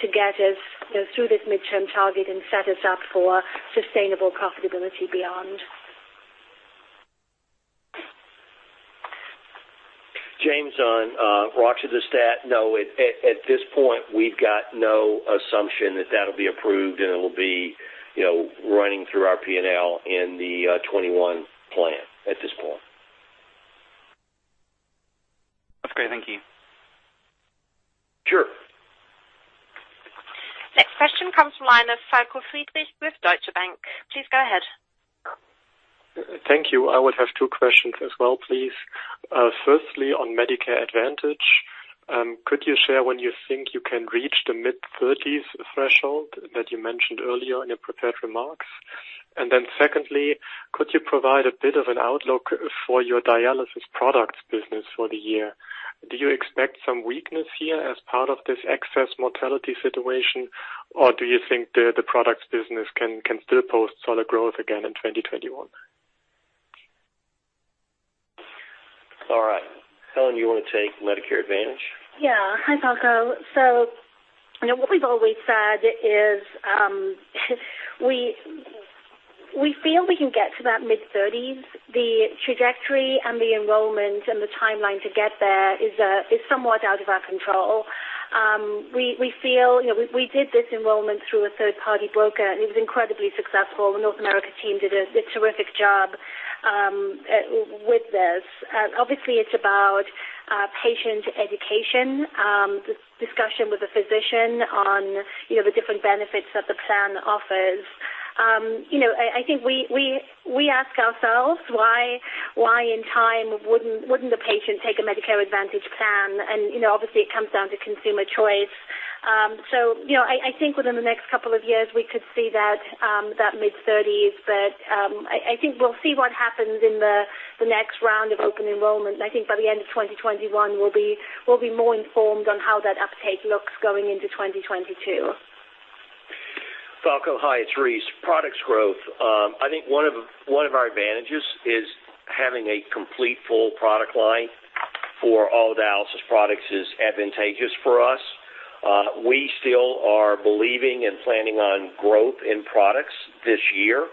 to get us through this midterm target and set us up for sustainable profitability beyond. James, on roxadustat, no, at this point, we've got no assumption that that'll be approved and it'll be running through our P&L in the 2021 plan at this point. That's great. Thank you. Sure. Next question comes from the line of Falko Friedrichs with Deutsche Bank. Please go ahead. Thank you. I would have two questions as well, please. Firstly, on Medicare Advantage, could you share when you think you can reach the mid-30s threshold that you mentioned earlier in your prepared remarks? Secondly, could you provide a bit of an outlook for your dialysis products business for the year? Do you expect some weakness here as part of this excess mortality situation, or do you think the products business can still post solid growth again in 2021? All right. Helen, you want to take Medicare Advantage? Yeah. Hi, Falko. What we've always said is we feel we can get to that mid-30s. The trajectory and the enrollment and the timeline to get there is somewhat out of our control. We did this enrollment through a third-party broker, and it was incredibly successful. The North America team did a terrific job with this. Obviously, it's about patient education, discussion with a physician on the different benefits that the plan offers. I think we ask ourselves why in time wouldn't the patient take a Medicare Advantage plan, and obviously it comes down to consumer choice. I think within the next couple of years, we could see that mid-30s. I think we'll see what happens in the next round of open enrollment. I think by the end of 2021, we'll be more informed on how that uptake looks going into 2022. Falko, hi, it's Rice. Products growth. I think one of our advantages is having a complete full product line for all dialysis products is advantageous for us. We still are believing and planning on growth in products this year,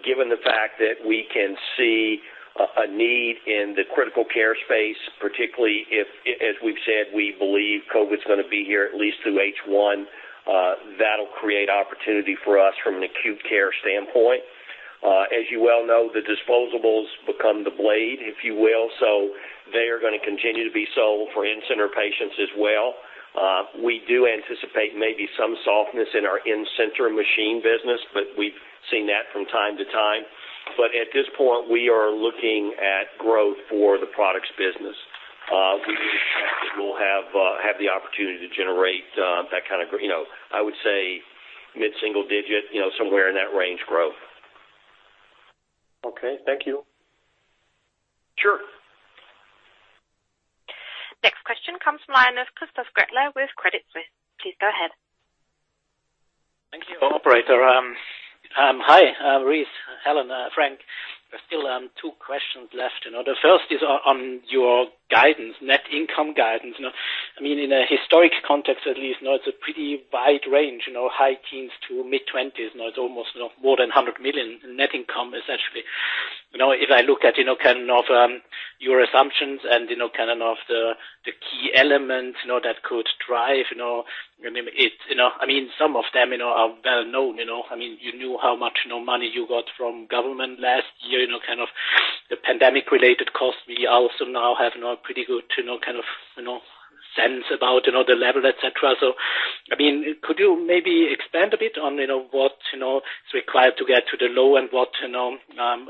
given the fact that we can see a need in the critical care space, particularly if, as we've said, we believe COVID's going to be here at least through H1. That'll create opportunity for us from an acute care standpoint. As you well know, the disposables become the blade, if you will, they are going to continue to be sold for in-center patients as well. We do anticipate maybe some softness in our in-center machine business, we've seen that from time to time. At this point, we are looking at growth for the products business. We would expect that we'll have the opportunity to generate that kind of, I would say mid-single digit, somewhere in that range growth. Okay. Thank you. Sure. Next question comes from the line of Christoph Gretler with Credit Suisse. Please go ahead. Thank you, operator. Hi, Rice, Helen, Frank. There are still two questions left. The first is on your guidance, net income guidance. In a historic context at least now, it's a pretty wide range, high teens to mid-20s. Now it's almost more than 100 million in net income, essentially. If I look at your assumptions and the key elements that could drive it, some of them are well-known. You knew how much money you got from government last year, the pandemic-related costs. We also now have a pretty good sense about the level, et cetera. Could you maybe expand a bit on what is required to get to the low and what is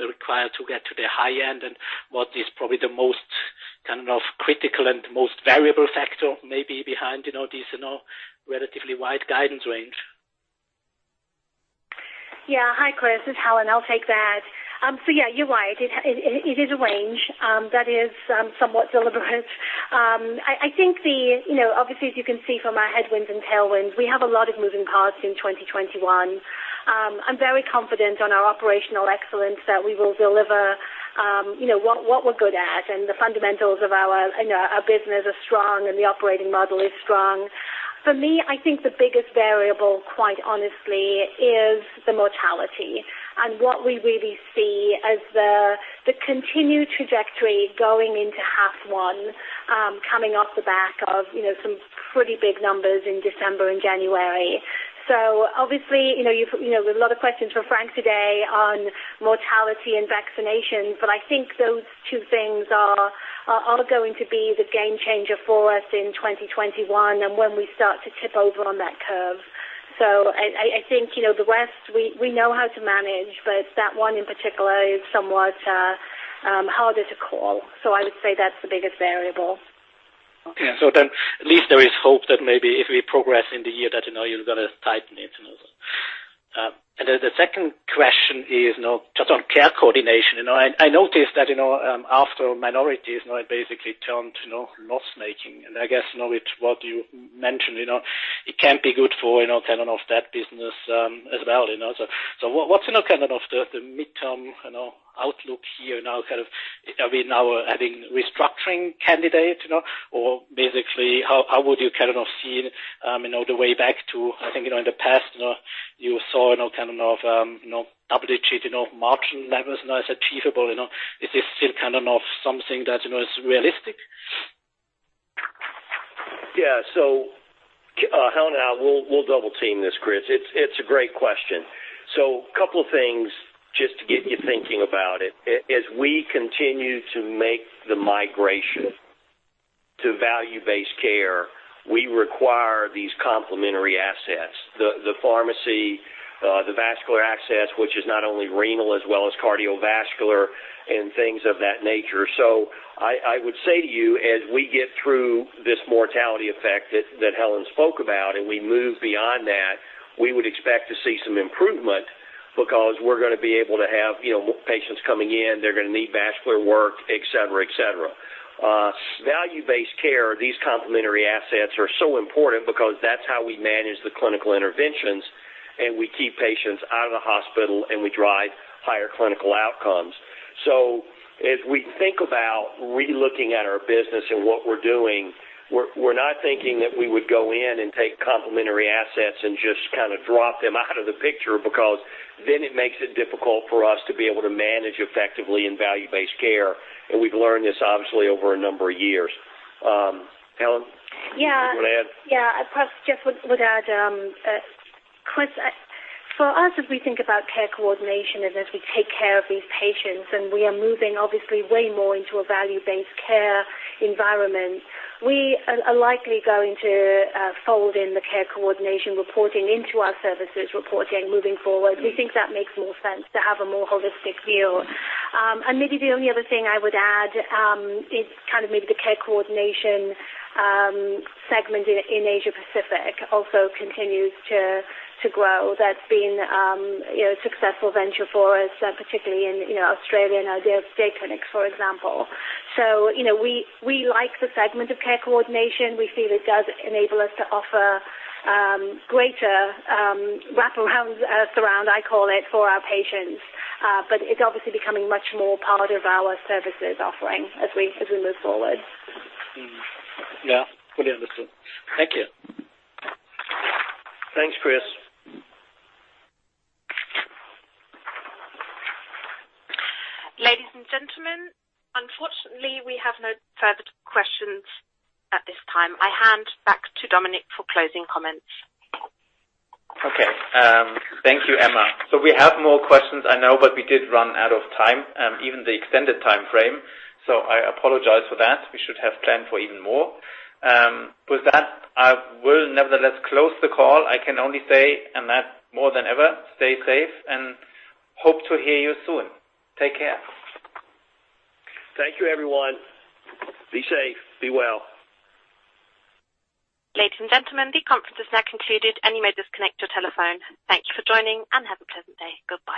required to get to the high end, and what is probably the most critical and most variable factor maybe behind this relatively wide guidance range? Yeah. Hi, Chris, it's Helen. I'll take that. Yeah, you're right. It is a range that is somewhat deliberate. Obviously, as you can see from our headwinds and tailwinds, we have a lot of moving parts in 2021. I'm very confident on our operational excellence that we will deliver what we're good at, and the fundamentals of our business are strong and the operating model is strong. For me, I think the biggest variable, quite honestly, is the mortality and what we really see as the continued trajectory going into half one, coming off the back of some pretty big numbers in December and January. Obviously, a lot of questions for Frank today on mortality and vaccination, but I think those two things are going to be the game changer for us in 2021 and when we start to tip over on that curve. I think, the West, we know how to manage, but that one in particular is somewhat harder to call. I would say that's the biggest variable. Okay. At least there is hope that maybe if we progress in the year that you're going to tighten it. The second question is, just on care coordination. I noticed that after minorities, now it basically turned loss-making. I guess now with what you mentioned, it can be good for turning off that business as well. What's the midterm outlook here now? Are we now having restructuring candidate? Basically, how would you see the way back to, I think, in the past, you saw double-digit margin that was not achievable? Is this still something that is realistic? Yeah. Helen and I, we'll double-team this, Chris. It's a great question. A couple things just to get you thinking about it. As we continue to make the migration to value-based care, we require these complementary assets. The pharmacy, the vascular access, which is not only renal, as well as cardiovascular and things of that nature. I would say to you, as we get through this mortality effect that Helen spoke about, and we move beyond that, we would expect to see some improvement because we're going to be able to have patients coming in, they're going to need vascular work, et cetera. Value-based care, these complementary assets are so important because that's how we manage the clinical interventions, and we keep patients out of the hospital, and we drive higher clinical outcomes. As we think about re-looking at our business and what we're doing, we're not thinking that we would go in and take complementary assets and just drop them out of the picture because then it makes it difficult for us to be able to manage effectively in value-based care. We've learned this obviously over a number of years. Helen, you want to add? Yeah. I probably just would add, Chris, for us, as we think about care coordination and as we take care of these patients and we are moving obviously way more into a value-based care environment, we are likely going to fold in the care coordination reporting into our services reporting moving forward. We think that makes more sense to have a more holistic view. Maybe the only other thing I would add, is maybe the care coordination segment in Asia Pacific also continues to grow. That's been a successful venture for us, particularly in Australia and our day clinics, for example. We like the segment of care coordination. We feel it does enable us to offer greater wraparound, surround, I call it, for our patients. It's obviously becoming much more part of our services offering as we move forward. Yeah. Brilliant. Listen. Thank you. Thanks, Chris. Ladies and gentlemen, unfortunately, we have no further questions at this time. I hand back to Dominik for closing comments. Okay. Thank you, Emma. We have more questions, I know, but we did run out of time, even the extended time frame. I apologize for that. We should have planned for even more. With that, I will nevertheless close the call. I can only say, and that more than ever, stay safe and hope to hear you soon. Take care. Thank you everyone. Be safe, be well. Ladies and gentlemen, the conference is now concluded and you may disconnect your telephone. Thank you for joining, and have a pleasant day. Goodbye.